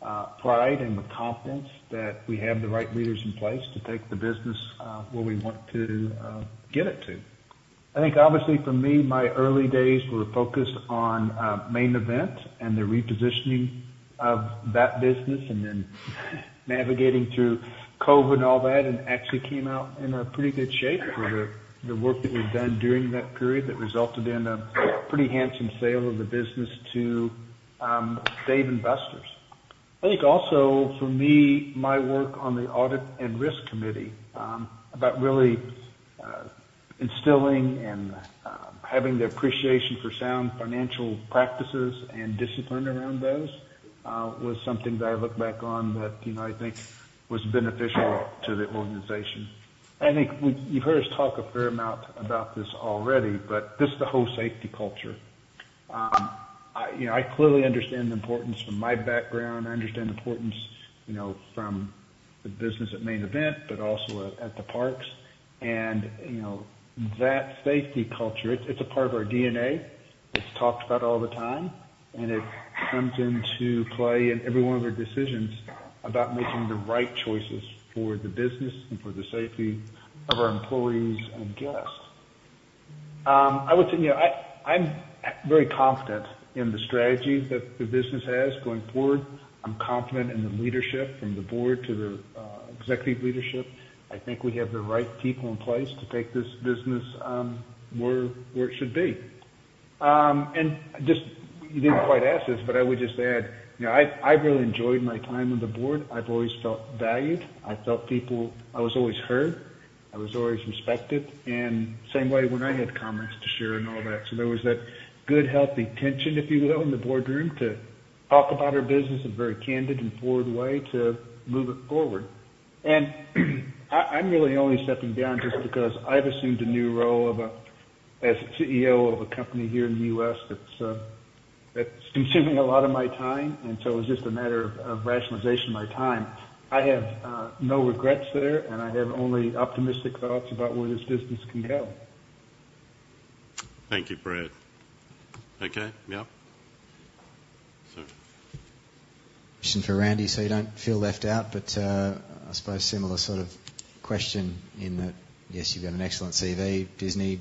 pride and with confidence that we have the right leaders in place to take the business where we want to get it to. I think, obviously, for me, my early days were focused on Main Event and the repositioning of that business and then navigating through COVID and all that and actually came out in a pretty good shape for the work that we've done during that period that resulted in a pretty handsome sale of the business to Dave & Buster's. I think also, for me, my work on the audit and risk committee about really instilling and having the appreciation for sound financial practices and discipline around those was something that I look back on that I think was beneficial to the organization. I think you've heard us talk a fair amount about this already, but this is the whole safety culture. I clearly understand the importance from my background. I understand the importance from the business at Main Event, but also at the parks, and that safety culture, it's a part of our DNA. It's talked about all the time, and it comes into play in every one of our decisions about making the right choices for the business and for the safety of our employees and guests. I would say I'm very confident in the strategy that the business has going forward. I'm confident in the leadership from the board to the executive leadership. I think we have the right people in place to take this business where it should be, and you didn't quite ask this, but I would just add I've really enjoyed my time on the board. I've always felt valued. I felt people I was always heard. I was always respected, and same way when I had comments to share and all that. So there was that good, healthy tension, if you will, in the boardroom to talk about our business in a very candid and forward way to move it forward. I'm really only stepping down just because I've assumed a new role as CEO of a company here in the U.S. that's consuming a lot of my time, so it was just a matter of rationalization of my time. I have no regrets there, and I have only optimistic thoughts about where this business can go. Thank you, Brad. Okay. Yeah. Sorry. Question for Randy so you don't feel left out. But I suppose similar sort of question in that, yes, you've got an excellent CV. Disney,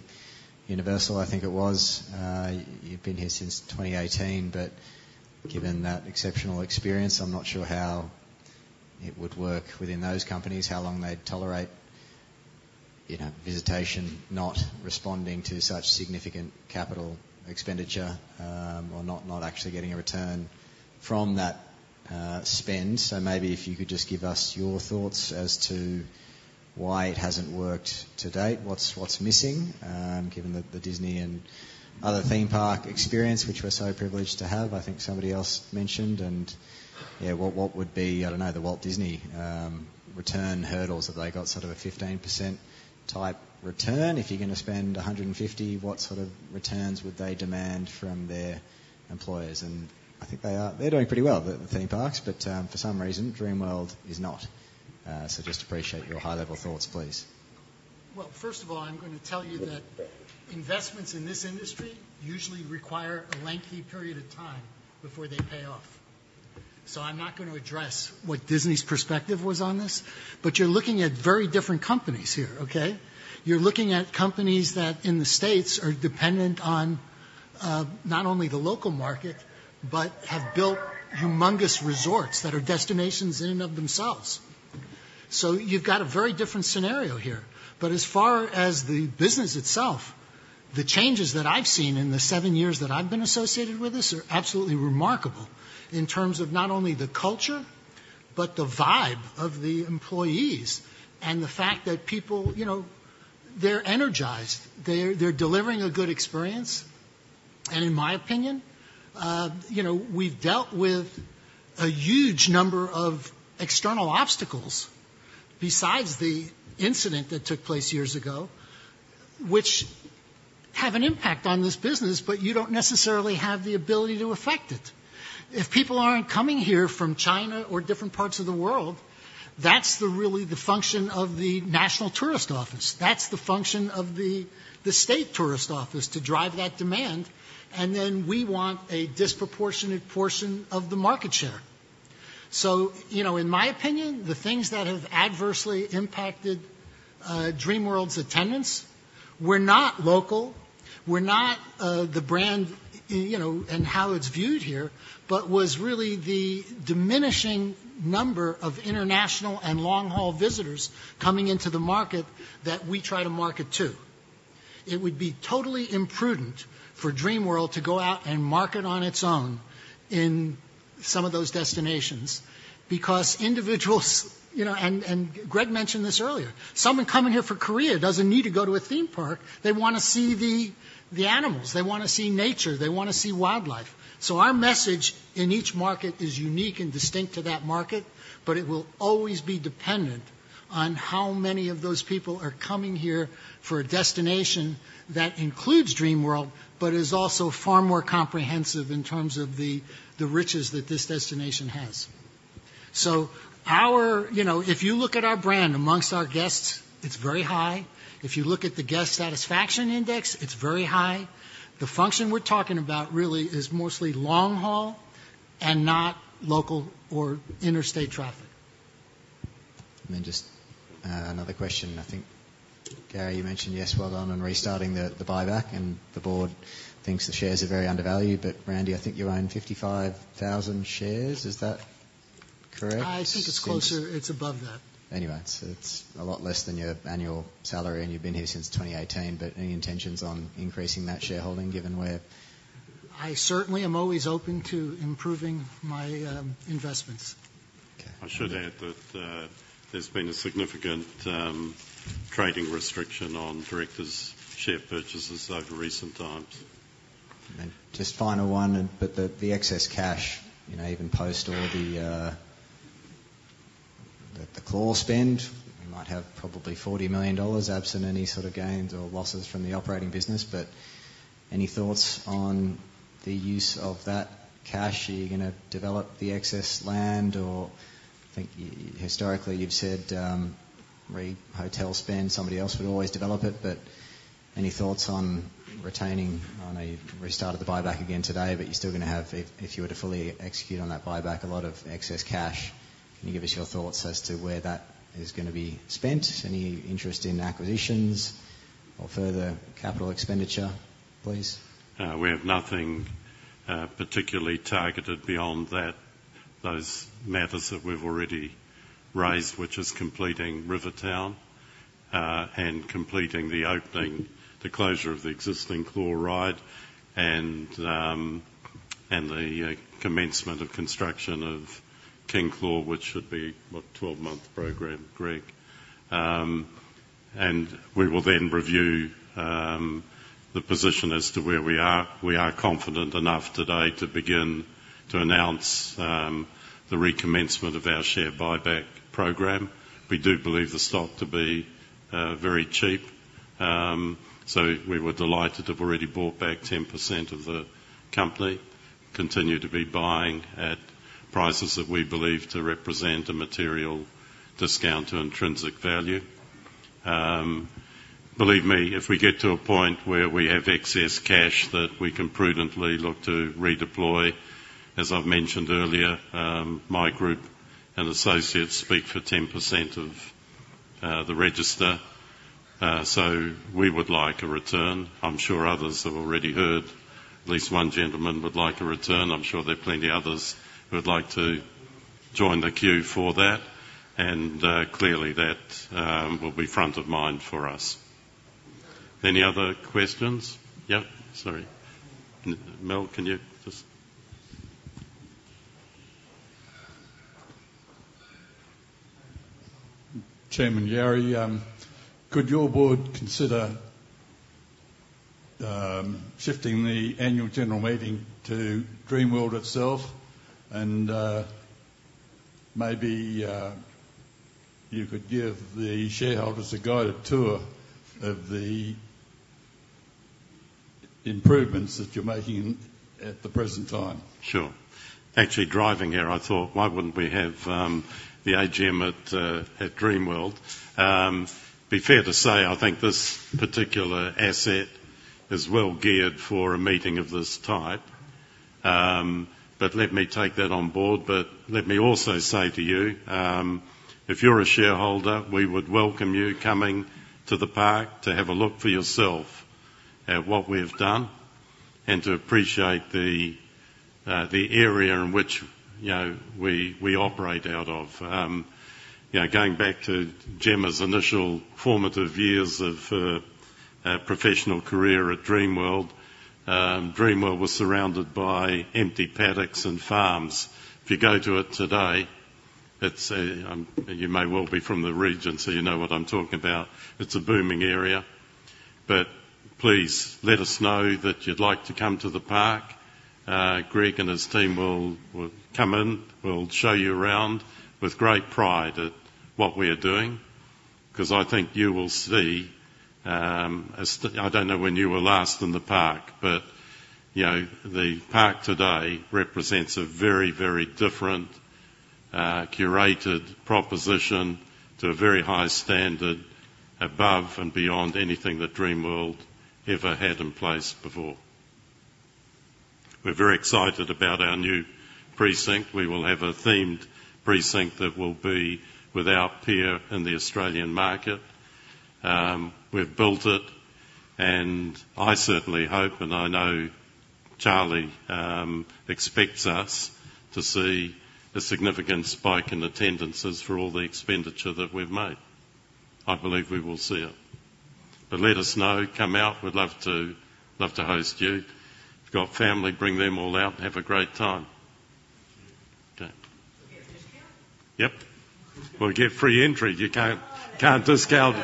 Universal, I think it was. You've been here since 2018. But given that exceptional experience, I'm not sure how it would work within those companies, how long they'd tolerate visitation not responding to such significant capital expenditure or not actually getting a return from that spend. So maybe if you could just give us your thoughts as to why it hasn't worked to date, what's missing, given the Disney and other theme park experience, which we're so privileged to have. I think somebody else mentioned. And yeah, what would be, I don't know, the Walt Disney return hurdles if they got sort of a 15% type return? If you're going to spend 150, what sort of returns would they demand from their employers? And I think they are doing pretty well, the theme parks. But for some reason, Dreamworld is not. So just appreciate your high-level thoughts, please. First of all, I'm going to tell you that investments in this industry usually require a lengthy period of time before they pay off. So I'm not going to address what Disney's perspective was on this. But you're looking at very different companies here, okay? You're looking at companies that in the States are dependent on not only the local market, but have built humongous resorts that are destinations in and of themselves. So you've got a very different scenario here. But as far as the business itself, the changes that I've seen in the seven years that I've been associated with this are absolutely remarkable in terms of not only the culture, but the vibe of the employees and the fact that people, they're energized. They're delivering a good experience. And in my opinion, we've dealt with a huge number of external obstacles besides the incident that took place years ago, which have an impact on this business, but you don't necessarily have the ability to affect it. If people aren't coming here from China or different parts of the world, that's really the function of the national tourist office. That's the function of the state tourist office to drive that demand. And then we want a disproportionate portion of the market share. So in my opinion, the things that have adversely impacted Dreamworld's attendance were not local, were not the brand and how it's viewed here, but was really the diminishing number of international and long-haul visitors coming into the market that we try to market to. It would be totally imprudent for Dreamworld to go out and market on its own in some of those destinations because individuals, and Greg mentioned this earlier, someone coming here from Korea doesn't need to go to a theme park. They want to see the animals. They want to see nature. They want to see wildlife. Our message in each market is unique and distinct to that market, but it will always be dependent on how many of those people are coming here for a destination that includes Dreamworld, but is also far more comprehensive in terms of the riches that this destination has. If you look at our brand amongst our guests, it's very high. If you look at the guest satisfaction index, it's very high. The function we're talking about really is mostly long-haul and not local or interstate traffic. Then just another question. I think, Gary, you mentioned, yes, well done on restarting the buyback. And the board thinks the shares are very undervalued. But Randy, I think you're on 55,000 shares. Is that correct? I think it's closer. It's above that. Anyway, it's a lot less than your annual salary. And you've been here since 2018. But any intentions on increasing that shareholding given where? I certainly am always open to improving my investments. Okay. I should add that there's been a significant trading restriction on directors' share purchases over recent times. Just final one. But the excess cash, even post all the Claw spend, you might have probably 40 million dollars absent any sort of gains or losses from the operating business. But any thoughts on the use of that cash? Are you going to develop the excess land? Or, I think historically, you've said hotel spend, somebody else would always develop it. But any thoughts on retaining? I know you've restarted the buyback again today, but you're still going to have, if you were to fully execute on that buyback, a lot of excess cash. Can you give us your thoughts as to where that is going to be spent? Any interest in acquisitions or further capital expenditure, please? We have nothing particularly targeted beyond those matters that we've already raised, which is completing Rivertown and completing the closure of the existing The Claw and the commencement of construction of King Claw, which should be what, 12-month program, Greg? And we will then review the position as to where we are. We are confident enough today to begin to announce the recommencement of our share buyback program. We do believe the stock to be very cheap. So we were delighted to have already bought back 10% of the company, continue to be buying at prices that we believe to represent a material discount to intrinsic value. Believe me, if we get to a point where we have excess cash that we can prudently look to redeploy, as I've mentioned earlier, my group and associates speak for 10% of the register. So we would like a return. I'm sure others have already heard. At least one gentleman would like a return. I'm sure there are plenty of others who would like to join the queue for that. And clearly, that will be front of mind for us. Any other questions? Yep. Sorry. Mel, can you just? Chairman Gary, could your board consider shifting the annual general meeting to Dreamworld itself? Maybe you could give the shareholders a guided tour of the improvements that you're making at the present time. Sure. Actually, driving here, I thought, why wouldn't we have the AGM at Dreamworld? To be fair to say, I think this particular asset is well geared for a meeting of this type. Let me take that on board. Let me also say to you, if you're a shareholder, we would welcome you coming to the park to have a look for yourself at what we've done and to appreciate the area in which we operate out of. Going back to Jemma's initial formative years of professional career at Dreamworld, Dreamworld was surrounded by empty paddocks and farms. If you go to it today, you may well be from the region, so you know what I'm talking about. It's a booming area. But please let us know that you'd like to come to the park. Greg and his team will come in, will show you around with great pride at what we are doing because I think you will see. I don't know when you were last in the park, but the park today represents a very, very different curated proposition to a very high standard above and beyond anything that Dreamworld ever had in place before. We're very excited about our new precinct. We will have a themed precinct that will be without peer in the Australian market. We've built it. And I certainly hope, and I know Charlie expects us to see a significant spike in attendances for all the expenditure that we've made. I believe we will see it. But let us know. Come out. We'd love to host you. Got family, bring them all out and have a great time. Okay. We'll get free entry. You can't discount.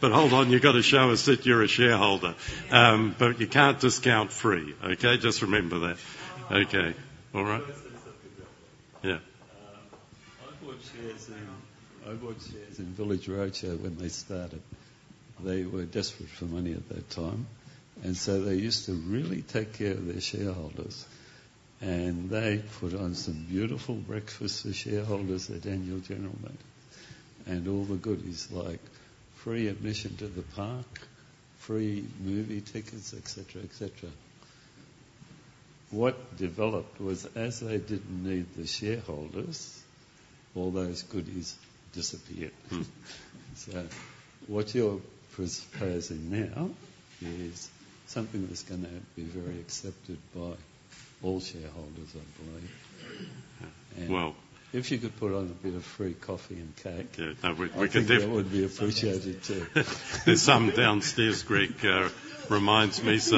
But hold on. You've got to show us that you're a shareholder. But you can't discount free. Okay? Just remember that. Okay. All right. Yeah. I bought shares in Village Roadshow when they started, they were desperate for money at that time. And so they used to really take care of their shareholders. And they put on some beautiful breakfast for shareholders at annual general meetings and all the goodies like free admission to the park, free movie tickets, etc., etc. What developed was as they didn't need the shareholders, all those goodies disappeared. So what you're proposing now is something that's going to be very accepted by all shareholders, I believe. And if you could put on a bit of free coffee and cake, that would be appreciated too. There's something downstairs, Greg, reminds me. So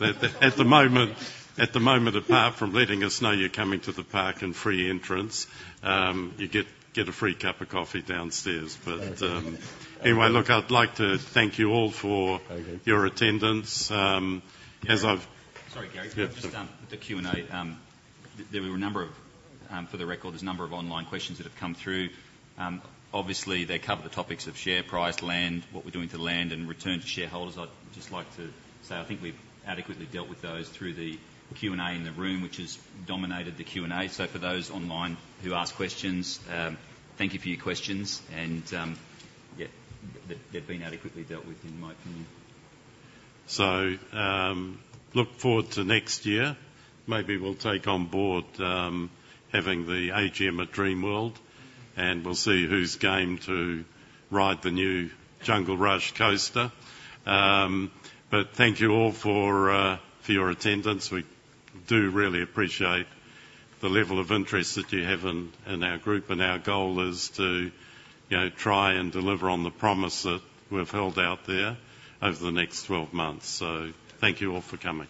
at the moment, apart from letting us know you're coming to the park and free entrance, you get a free cup of coffee downstairs, but anyway, look, I'd like to thank you all for your attendance. As I've. Sorry, Gary. Just with the Q&A—for the record, there's a number of online questions that have come through. Obviously, they cover the topics of share price, land, what we're doing to land, and return to shareholders. I'd just like to say I think we've adequately dealt with those through the Q&A in the room, which has dominated the Q&A, so for those online who ask questions, thank you for your questions, and yeah, they've been adequately dealt with, in my opinion. So look forward to next year. Maybe we'll take on board having the AGM at Dreamworld, and we'll see who's game to ride the new Jungle Rush coaster. But thank you all for your attendance. We do really appreciate the level of interest that you have in our group, and our goal is to try and deliver on the promise that we've held out there over the next 12 months. So thank you all for coming.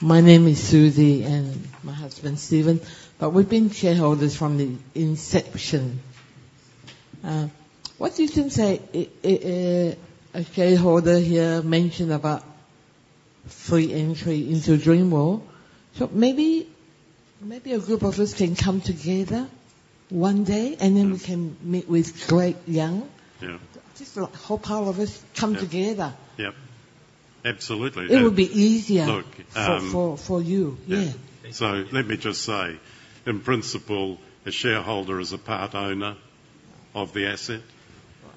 My name is Susie and my husband, Steven. But we've been shareholders from the inception. What do you think a shareholder here mentioned about free entry into Dreamworld? So maybe a group of us can come together one day, and then we can meet with Greg Yong. Just hope all of us come together. Yep. Absolutely. It would be easier for you. Yeah. So let me just say, in principle, a shareholder is a part owner of the asset.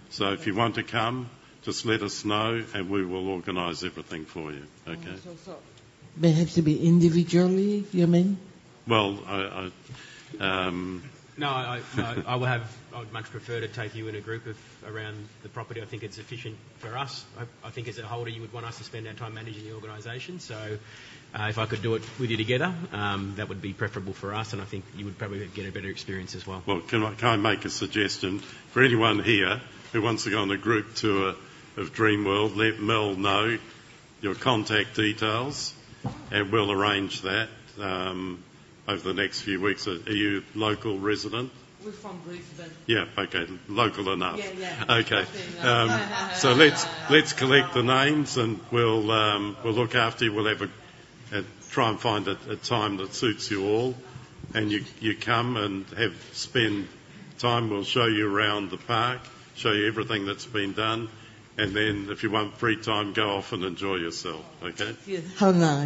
So if you want to come, just let us know, and we will organize everything for you. Okay? May it have to be individually, you mean? Well. No, I would much prefer to take you in a group around the property. I think it's efficient for us. I think as a holder, you would want us to spend our time managing the organization. So if I could do it with you together, that would be preferable for us. And I think you would probably get a better experience as well. Well, can I make a suggestion? For anyone here who wants to go on a group tour of Dreamworld, let Mel know your contact details, and we'll arrange that over the next few weeks. Are you a local resident? We're from Brisbane. Yeah. Okay. Local enough. Yeah. Yeah. Okay. So let's collect the names, and we'll look after you. We'll try and find a time that suits you all. And you come and spend time. We'll show you around the park, show you everything that's been done. And then if you want free time, go off and enjoy yourself. Okay? Hold on.